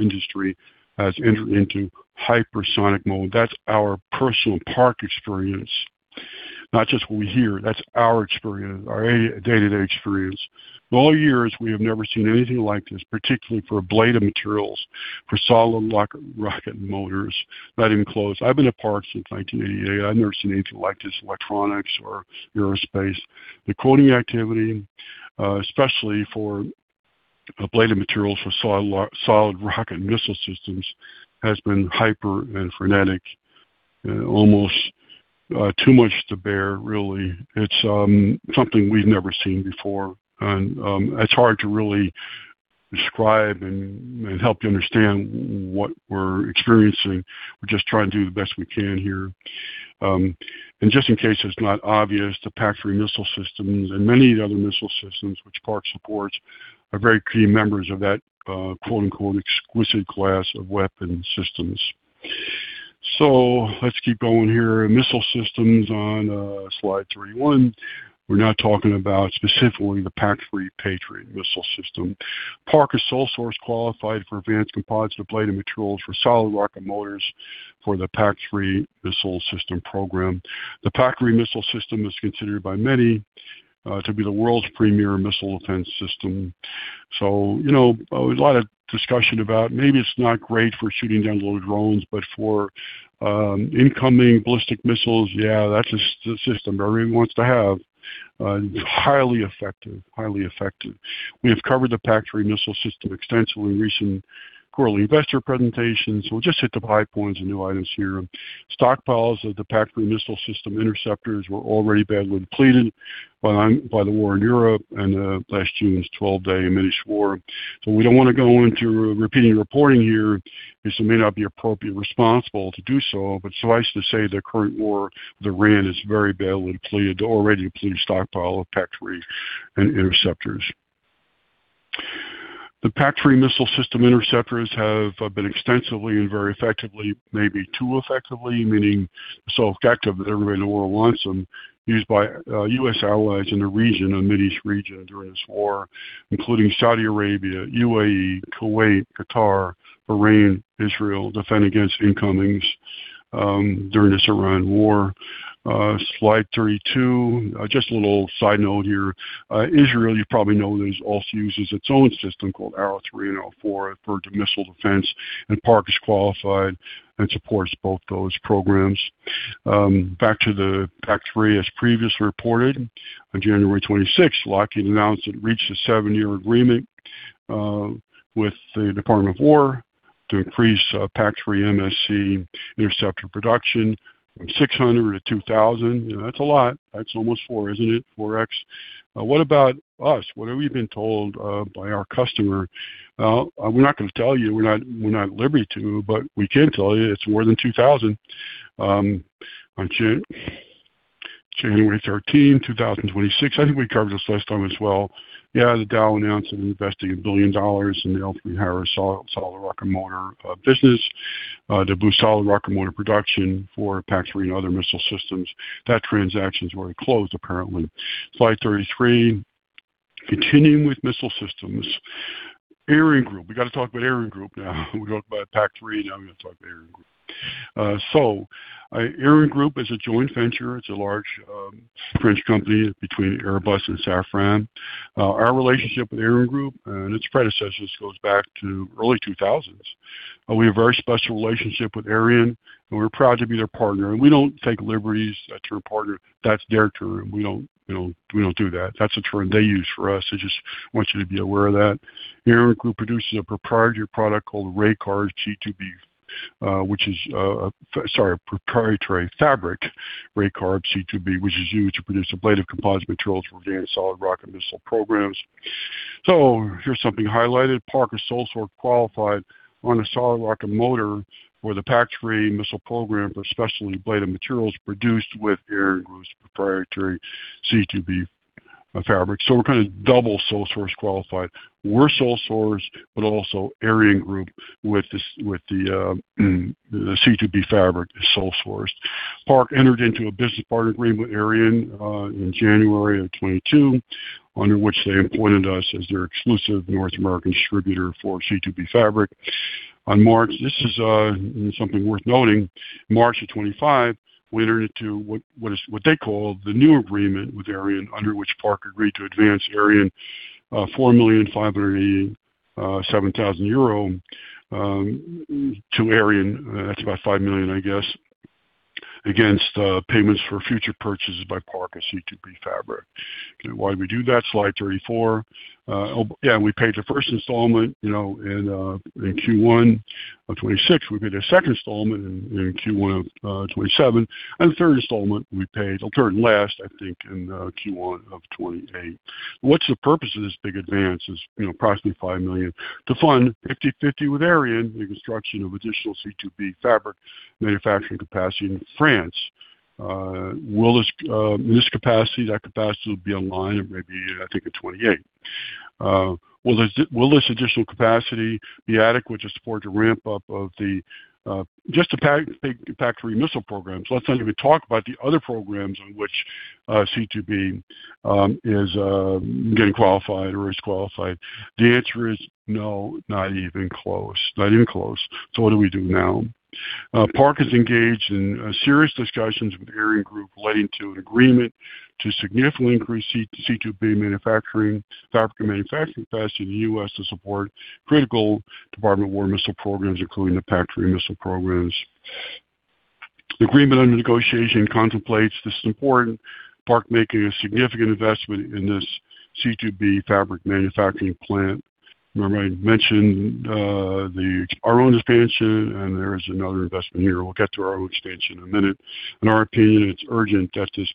industry has entered into hypersonic mode. That's our personal Park experience. Not just what we hear. That's our experience, our day-to-day experience. In all years, we have never seen anything like this, particularly for ablative materials, for solid rocket motors. Not even close. I've been at Park since 1988. I've never seen anything like this, electronics or aerospace. The quoting activity, especially for ablative materials for solid rocket missile systems, has been hyper and frenetic. Almost too much to bear, really. It's something we've never seen before, and it's hard to really describe and help you understand what we're experiencing. We're just trying to do the best we can here. Just in case it's not obvious, the Patriot missile systems and many other missile systems which Park supports, are very key members of that "exquisite class of weapon systems." Let's keep going here. Missile systems on slide 31. We're now talking about specifically the PAC-3 Patriot missile system. Park is sole source qualified for advanced composite ablative materials for solid rocket motors for the PAC-3 missile system program. The PAC-3 missile system is considered by many to be the world's premier missile defense system. A lot of discussion about maybe it's not great for shooting down little drones, but for incoming ballistic missiles, yeah, that's the system everybody wants to have. Highly effective. Highly effective. We have covered the PAC-3 missile system extensively in recent quarterly investor presentations. We'll just hit the high points and new items here. Stockpiles of the PAC-3 missile system interceptors were already badly depleted by the war in Europe and last June's 12-day Mideast war. We don't want to go into repeating reporting here, as it may not be appropriate and responsible to do so. Suffice to say, the current war with Iran has very badly depleted the already depleted stockpile of PAC-3 and interceptors. The PAC-3 missile system interceptors have been extensively and very effectively, maybe too effectively, meaning so effective that everybody in the world wants them, used by U.S. allies in the region, the Mideast region, during this war, including Saudi Arabia, U.A.E., Kuwait, Qatar, Bahrain, Israel, to defend against incomings during this Iran war. Slide 32. Just a little side note here. Israel, you probably know, also uses its own system called Arrow 3 and Arrow 4 for missile defense, and Park is qualified and supports both those programs. Back to the PAC-3. As previously reported, on January 26th, Lockheed announced it reached a seven-year agreement with the Department of War to increase PAC-3 MSE interceptor production from 600 to 2,000. That's a lot. That's almost four, isn't it? 4x. What about us? What have we been told by our customer? We're not going to tell you. We're not at liberty to, but we can tell you it's more than 2,000. On January 13, 2026, I think we covered this last time as well. The DoW announced it was investing $1 billion in the L3Harris solid rocket motor business to boost solid rocket motor production for PAC-3 and other missile systems. That transaction's already closed, apparently. Slide 33. Continuing with missile systems. ArianeGroup. We got to talk about ArianeGroup now. We talked about PAC-3, we've got to talk about ArianeGroup. ArianeGroup is a joint venture. It's a large French company between Airbus and Safran. Our relationship with ArianeGroup, and its predecessors, goes back to early 2000s. We have a very special relationship with Ariane, and we're proud to be their partner. We don't take liberties, that term partner, that's their term. We don't do that. That's a term they use for us. I just want you to be aware of that. ArianeGroup produces a proprietary product called RAYCARB C2B, which is a proprietary fabric, RAYCARB C2B, which is used to produce ablative composite materials for advanced solid rocket missile programs. Here's something highlighted. Park is sole source qualified on a solid rocket motor for the PAC-3 missile program for specialty ablative materials produced with ArianeGroup's proprietary C2B fabric. We're kind of double sole source qualified. We're sole source, but also ArianeGroup with the C2B fabric is sole source. Park entered into a business partner agreement with Ariane in January of 2022, under which they appointed us as their exclusive North American distributor for C2B fabric. On March, this is something worth noting, March of 2025, we entered into what they call the new agreement with Ariane, under which Park agreed to advance Ariane 4,587,000 euro to Ariane, that's about 5 million, I guess, against payments for future purchases by Park C2B fabric. Okay, why did we do that? Slide 34. We paid the first installment in Q1 of 2026. We paid a second installment in Q1 of 2027. The third installment, we paid, it'll turn last, I think, in Q1 of 2028. What's the purpose of this big advance, this 5 million? To fund 50/50 with Ariane the construction of additional C2B fabric manufacturing capacity in France. That capacity will be online in maybe, I think, in 2028. Will this additional capacity be adequate to support the ramp-up of just the PAC-3 missile programs? Let alone do we talk about the other programs on which C2B is getting qualified or disqualified. The answer is no, not even close. What do we do now? Park's engaged in serious discussions with ArianeGroup relating to an agreement to significantly increase C2B fabric manufacturing capacity in the U.S. to support critical Department of War missile programs, including the PAC-3 missile programs. The agreement under negotiation contemplates, this is important, Park making a significant investment in this C2B fabric manufacturing plant. Remember I mentioned our own expansion, and there is another investment here. We'll get to our own expansion in a minute. In our opinion, it's urgent that this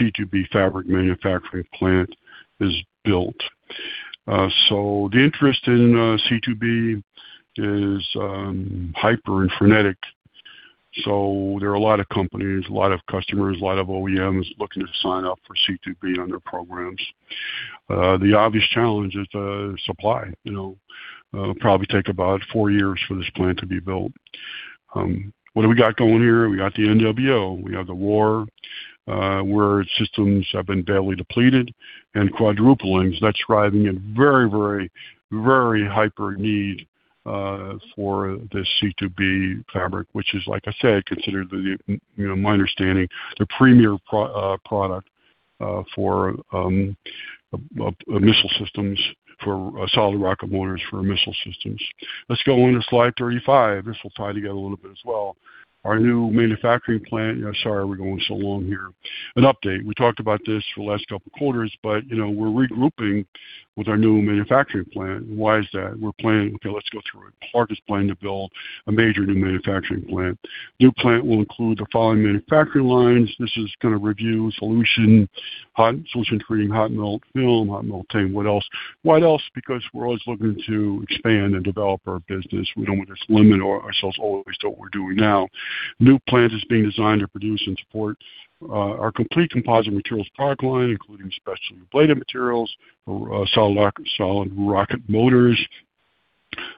C2B fabric manufacturing plant is built. The interest in C2B is hyper and frenetic. There are a lot of companies, a lot of customers, a lot of OEMs looking to sign up for C2B on their programs. The obvious challenge is the supply. It'll probably take about four years for this plant to be built. What do we got going here? We got the NWO, we have the war, where systems have been badly depleted, and quadruple aims. That's driving a very hyper need for the C2B fabric, which is, like I said, considered, my understanding, the premier product for missile systems, for solid rocket motors for missile systems. Let's go on to slide 35. This will tie together a little bit as well. Our new manufacturing plant. Yeah, sorry, we're going so long here. An update. We talked about this for the last couple of quarters, but we're regrouping with our new manufacturing plant. Why is that? We're planning, okay, let's go through it. Park is planning to build a major new manufacturing plant. New plant will include the following manufacturing lines. This is going to review solution treating, hot melt film, hot melt tape. What else? Why else? We're always looking to expand and develop our business. We don't want to limit ourselves always to what we're doing now. New plant is being designed to produce and support our complete composite materials product line, including specialty ablative materials for solid rocket motors,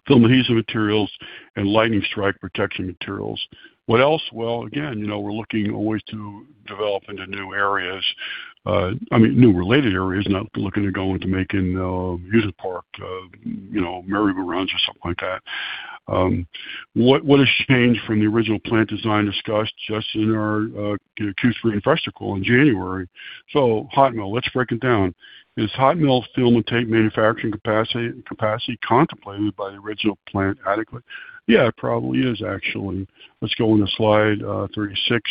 film adhesive materials, and lightning strike protection materials. What else? Well, again, we're looking always to develop into new areas. I mean, new related areas, not looking to go into making amusement park merry-go-rounds or something like that. What has changed from the original plant design discussed just in our Q3 investor call in January? Hot melt, let's break it down. Is hot melt film and tape manufacturing capacity contemplated by the original plant adequate? Yeah, it probably is, actually. Let's go on to slide 36.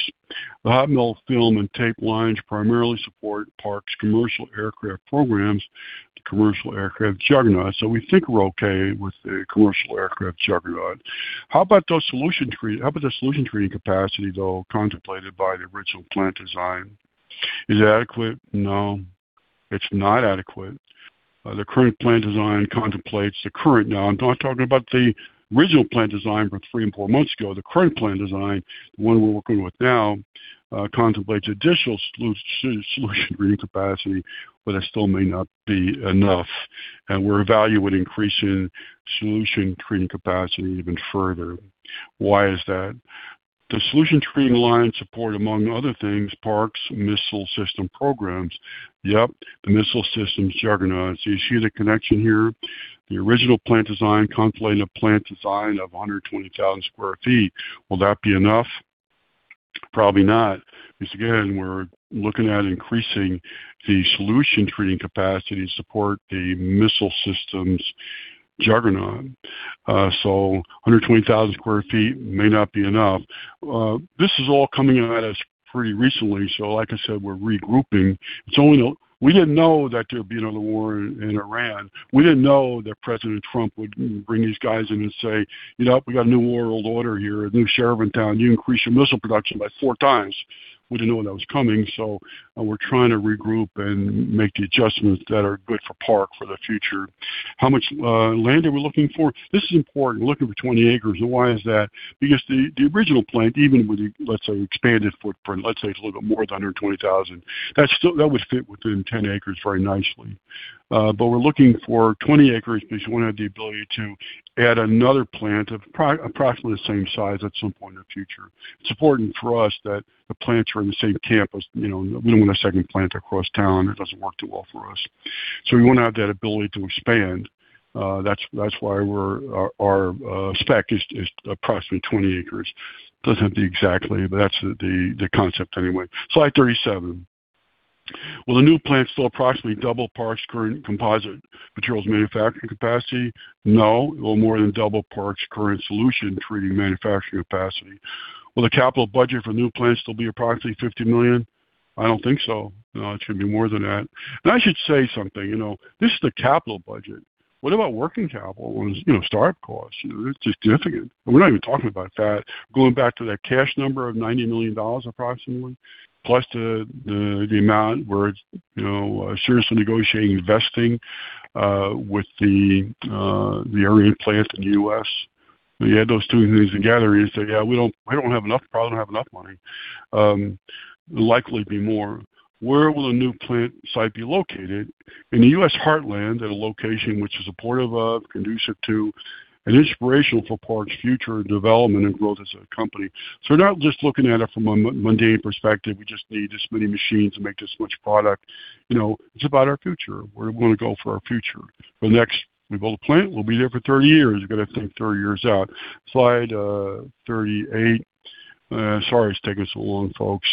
The hot melt film and tape lines primarily support Park's commercial aircraft programs. The commercial aircraft juggernaut. We think we're okay with the commercial aircraft juggernaut. How about the solution treating capacity, though, contemplated by the original plant design? Is it adequate? No, it's not adequate. The current plant design contemplates the current. I'm not talking about the original plant design from three and four months ago. The current plant design, the one we're working with now, contemplates additional solution treating capacity, but that still may not be enough, and we're evaluating increasing solution treating capacity even further. Why is that? The solution treating line support, among other things, Park's missile system programs. Yep, the missile systems juggernaut. You see the connection here. The original plant design contemplated a plant design of 120,000 sq ft. Will that be enough? Probably not, because again, we're looking at increasing the solution treating capacity to support the missile systems juggernaut. 120,000 sq ft may not be enough. This is all coming at us pretty recently, so like I said, we're regrouping. We didn't know that there'd be another war in Iran. We didn't know that President Trump would bring these guys in and say, "You know, we got a new world order here, a new sheriff in town. You increase your missile production by four times." We didn't know that was coming. We're trying to regroup and make the adjustments that are good for Park for the future. How much land are we looking for? This is important. We're looking for 20 acres. Why is that? Because the original plant, even with the, let's say, expanded footprint, let's say it's a little bit more than 120,000 sq ft, that would fit within 10 acres very nicely. We're looking for 20 acres because you want to have the ability to add another plant of approximately the same size at some point in the future. It's important for us that the plants are in the same campus. We don't want a second plant across town. It doesn't work too well for us. We want to have that ability to expand. That's why our spec is approximately 20 acres. Doesn't have to be exactly, but that's the concept anyway. Slide 37. Will the new plant still approximately double Park's current composite materials manufacturing capacity? No, it'll more than double Park's current solution treating manufacturing capacity. Will the capital budget for new plants still be approximately $50 million? I don't think so. No, it's going to be more than that. I should say something. This is the capital budget. What about working capital? What is startup costs? It's significant, and we're not even talking about that. Going back to that cash number of $90 million approximately, plus the amount we're seriously negotiating investing with the Ariane plant in the U.S. Yeah, those two things together, you say, yeah, we probably don't have enough money. It'll likely be more, "Where will the new plant site be located?" In the U.S. heartland, at a location which is supportive of, conducive to, and inspirational for Park's future development and growth as a company. We're not just looking at it from a mundane perspective. We just need this many machines to make this much product. It's about our future. Where do we want to go for our future? For the next, we build a plant, we'll be there for 30 years. We've got to think 30 years out. Slide 38. Sorry it's taking so long, folks.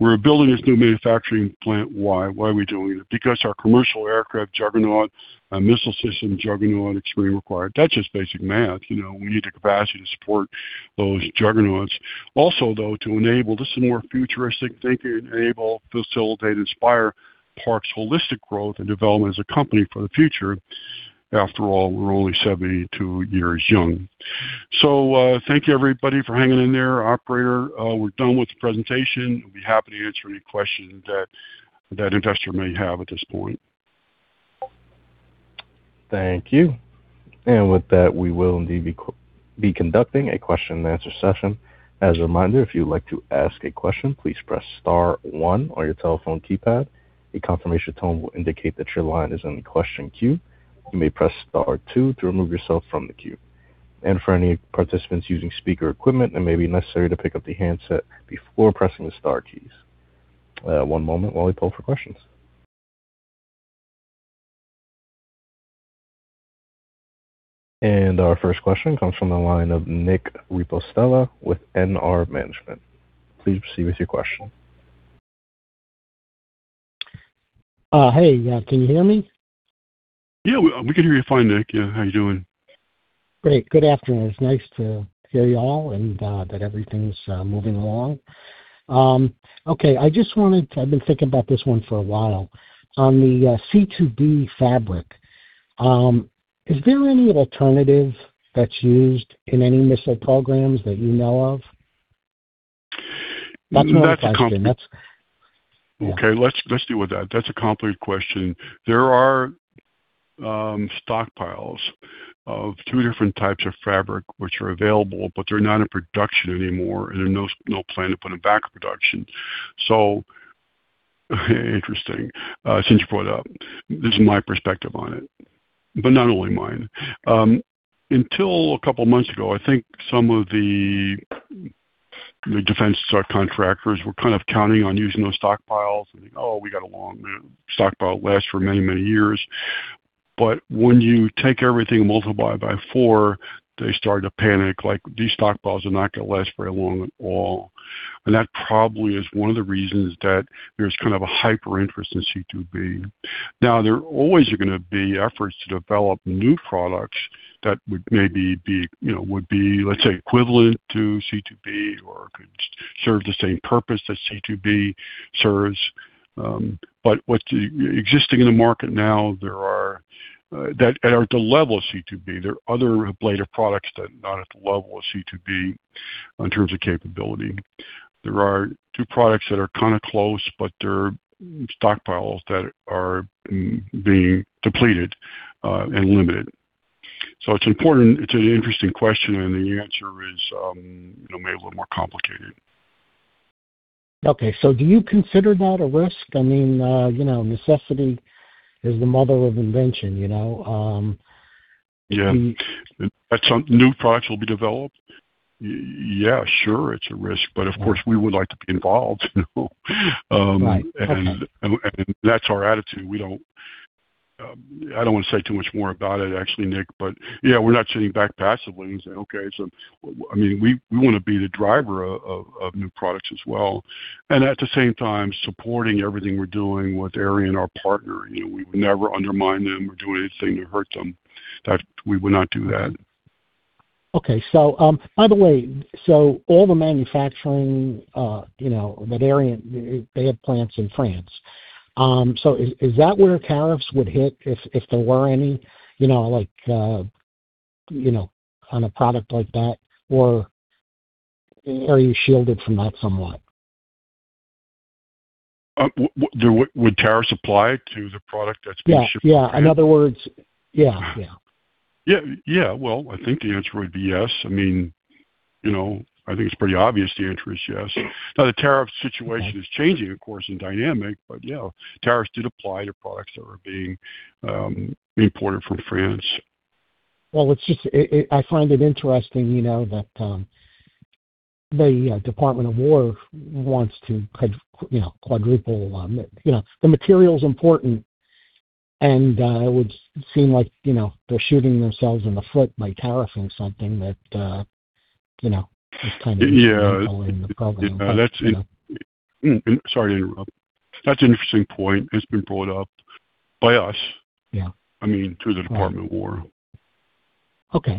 We're building this new manufacturing plant. Why? Why are we doing it? Our commercial aircraft juggernaut and missile system juggernaut extremely require it. That's just basic math. We need the capacity to support those juggernauts. This is more futuristic thinking, enable, facilitate, inspire Park's holistic growth and development as a company for the future. After all, we're only 72 years young. Thank you everybody for hanging in there. Operator, we're done with the presentation. We'll be happy to answer any questions that an investor may have at this point. Thank you. With that, we will indeed be conducting a question and answer session. As a reminder, if you would like to ask a question, please press star one on your telephone keypad. A confirmation tone will indicate that your line is in the question queue. You may press star two to remove yourself from the queue. For any participants using speaker equipment, it may be necessary to pick up the handset before pressing the star keys. One moment while we poll for questions. Our first question comes from the line of Nick Ripostella with NR Management. Please proceed with your question. Hey, can you hear me? Yeah, we can hear you fine, Nick. Yeah, how you doing? Great. Good afternoon. It's nice to hear you all and that everything's moving along. Okay. I've been thinking about this one for a while. On the C2B fabric, is there any alternative that's used in any missile programs that you know of? That's my question. Okay, let's deal with that. That's a complicated question. There are stockpiles of two different types of fabric which are available, they're not in production anymore, and there's no plan to put them back in production. Interesting, since you brought it up. This is my perspective on it, not only mine. Until a couple of months ago, I think some of the defense subcontractors were kind of counting on using those stockpiles and think, "Oh, we got a long stockpile. It lasts for many, many years." When you take everything and multiply it by four, they started to panic. Like, these stockpiles are not going to last very long at all. That probably is one of the reasons that there's kind of a hyper-interest in C2B. There always are going to be efforts to develop new products that would be, let's say, equivalent to C2B or could serve the same purpose that C2B serves. What's existing in the market now at the level of C2B, there are other ablator products that are not at the level of C2B in terms of capability. There are two products that are kind of close, but they're stockpiles that are being depleted and limited. It's important, it's an interesting question, and the answer is maybe a little more complicated. Okay. Do you consider that a risk? Necessity is the mother of invention. Yeah. That new products will be developed. Yeah, sure, it's a risk, but of course, we would like to be involved. Right. Okay. That's our attitude. I don't want to say too much more about it actually, Nick. Yeah, we're not sitting back passively and saying, okay. We want to be the driver of new products as well. At the same time, supporting everything we're doing with Ariane, our partner. We would never undermine them or do anything to hurt them. We would not do that. Okay. By the way, all the manufacturing, that Ariane, they have plants in France. Is that where tariffs would hit if there were any, on a product like that? Or are you shielded from that somewhat? Would tariffs apply to the product that's being shipped to France? Yeah. In other words, yeah. Yeah. Well, I think the answer would be yes. I think it's pretty obvious the answer is yes. The tariff situation is changing, of course, and dynamic. Yeah, tariffs did apply to products that were being imported from France. Well, I find it interesting that the Department of War wants to quadruple. The material is important, and it would seem like they're shooting themselves in the foot by tariffing something that is kind of- Yeah. Withholding the program. Sorry to interrupt. That's an interesting point. It's been brought up by us. Yeah. To the Department of War. Okay.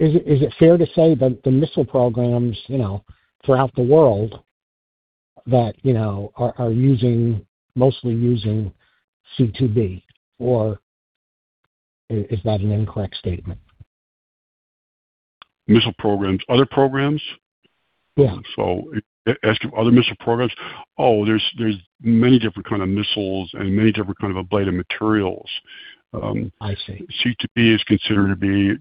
Is it fair to say that the missile programs, throughout the world are mostly using C2B? Is that an incorrect statement? Missile programs. Other programs? Yeah. As to other missile programs, there's many different kind of missiles and many different kind of ablative materials. I see. C2B is considered to be,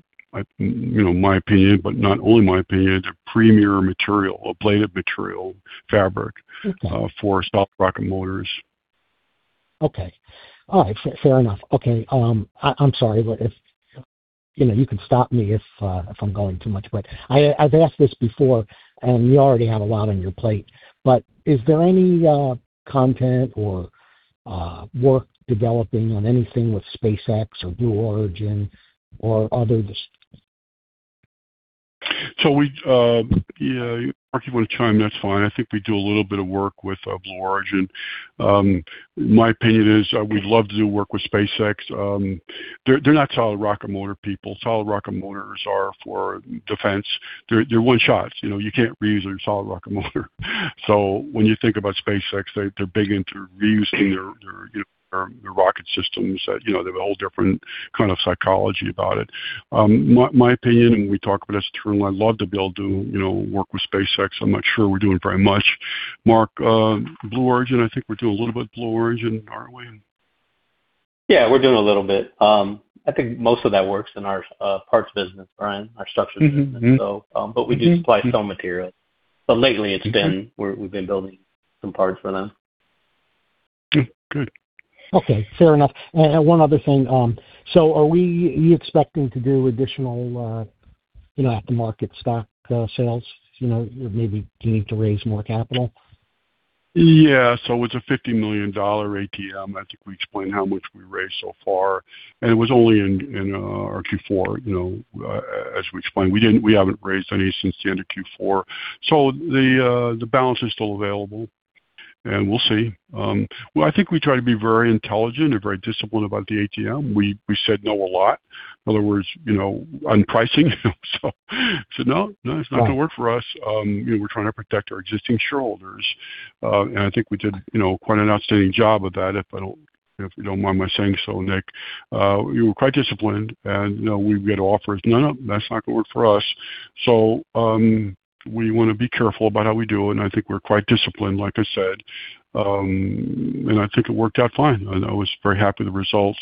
my opinion, but not only my opinion, it's a premier material, ablative material. Okay. For solid rocket motors. Okay. All right. Fair enough. Okay. I'm sorry, but you can stop me if I'm going too much, but I've asked this before, and you already have a lot on your plate, but is there any content or work developing on anything with SpaceX or Blue Origin or others? Mark, you want to chime, that's fine. I think we do a little bit of work with Blue Origin. My opinion is we'd love to do work with SpaceX. They're not solid rocket motor people. Solid rocket motors are for defense. They're one shots. You can't reuse a solid rocket motor. When you think about SpaceX, they're big into reusing their rocket systems, they have a whole different kind of psychology about it. My opinion, we talk about this internally, I'd love to be able to work with SpaceX. I'm not sure we're doing very much. Mark, Blue Origin, I think we do a little bit with Blue Origin, aren't we? Yeah, we're doing a little bit. I think most of that work's in our parts business, Brian, our structures business. We do supply some materials. Lately, we've been building some parts for them. Good. Good. Okay, fair enough. One other thing. Are we expecting to do additional aftermarket stock sales, maybe to need to raise more capital? It's a $50 million ATM. I think we explained how much we raised so far, and it was only in our Q4, as we explained. We haven't raised any since the end of Q4. The balance is still available, and we'll see. I think we try to be very intelligent and very disciplined about the ATM. We said no a lot. In other words, on pricing. Said, "No, it's not going to work for us." We're trying to protect our existing shareholders. I think we did quite an outstanding job of that, if you don't mind my saying so, Nick. We were quite disciplined, and we would get offers, "No, that's not going to work for us." We want to be careful about how we do it, and I think we're quite disciplined, like I said. I think it worked out fine, and I was very happy with the results.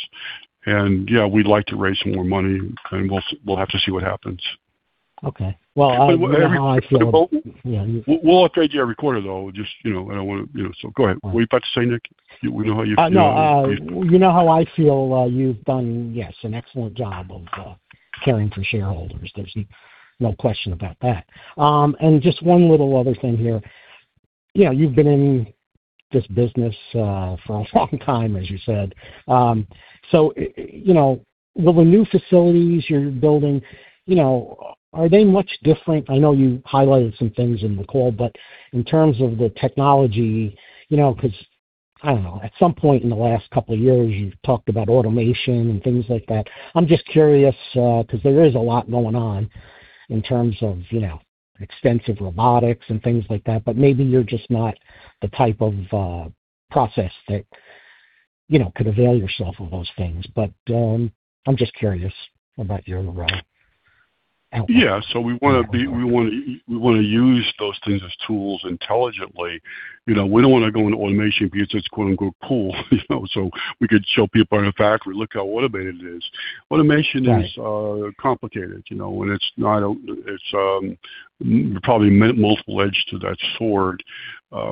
Yeah, we'd like to raise some more money, and we'll have to see what happens. Okay. Well, you know how I feel. We'll update you every quarter, though. Go ahead. Were you about to say, Nick? We know how you feel. You know how I feel. You've done, yes, an excellent job of caring for shareholders. There's no question about that. Just one little other thing here. You've been in this business for a long time, as you said. With the new facilities you're building, are they much different? I know you highlighted some things in the call, but in terms of the technology, because I don't know. At some point in the last couple of years, you've talked about automation and things like that. I'm just curious, because there is a lot going on in terms of extensive robotics and things like that, but maybe you're just not the type of process that could avail yourself of those things. I'm just curious about your outlook on that and where. Yeah. We want to use those things as tools intelligently. We don't want to go into automation because it's "cool." We could show people in a factory, look how automated it is. Right. Complicated. There's probably multiple edges to that sword.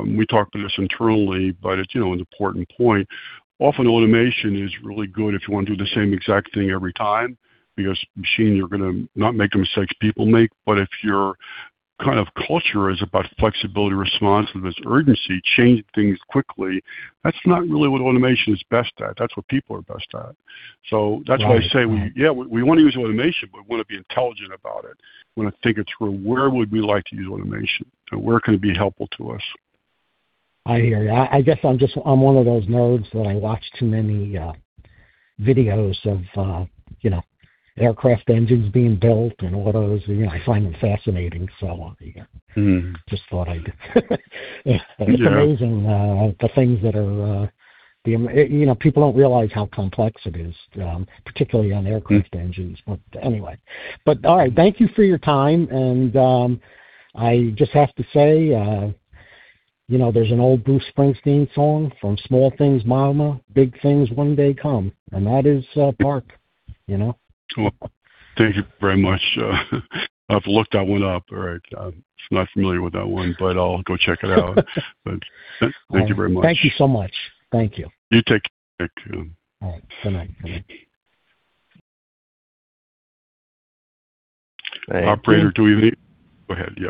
We talk to this internally. It's an important point. Often, automation is really good if you want to do the same exact thing every time, because machine, you're going to not make the mistakes people make. If your kind of culture is about flexibility, responsiveness, urgency, change things quickly, that's not really what automation is best at. That's what people are best at. Right. I say, we want to use automation, but we want to be intelligent about it. We want to think it through. Where would we like to use automation? Where can it be helpful to us? I hear you. I guess I'm one of those nerds that I watch too many videos of aircraft engines being built and autos. I find them fascinating. Just thought I'd - Yeah. It's amazing. People don't realize how complex it is, particularly on aircraft engines. Anyway. All right. Thank you for your time. I just have to say, there's an old Bruce Springsteen song, "From small things mama, big things one day come." That is Park. Well, thank you very much. I've to look that one up. All right. I'm not familiar with that one, but I'll go check it out. Thank you very much. Thank you so much. Thank you. You take care too. All right. Good night. Operator, do we have. Go ahead, yeah.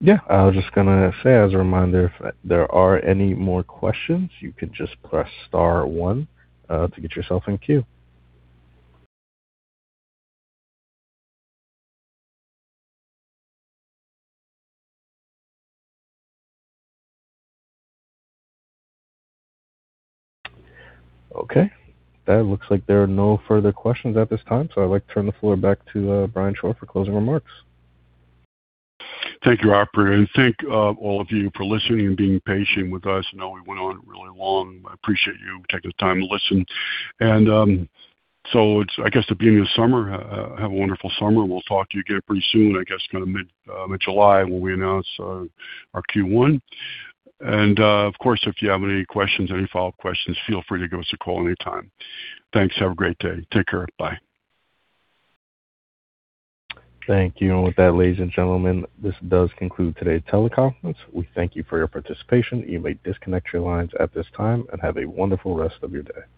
Yeah. I was just going to say, as a reminder, if there are any more questions, you can just press star one to get yourself in queue. Okay. That looks like there are no further questions at this time. I would like to turn the floor back to Brian Shore for closing remarks. Thank you, operator. Thank all of you for listening and being patient with us. I know we went on really long. I appreciate you taking the time to listen. So it's, I guess, the beginning of summer. Have a wonderful summer, and we'll talk to you again pretty soon, I guess, mid-July, when we announce our Q1. If you have any questions, any follow-up questions, feel free to give us a call anytime. Thanks. Have a great day. Take care. Bye. Thank you. With that, ladies and gentlemen, this does conclude today's teleconference. We thank you for your participation. You may disconnect your lines at this time, and have a wonderful rest of your day.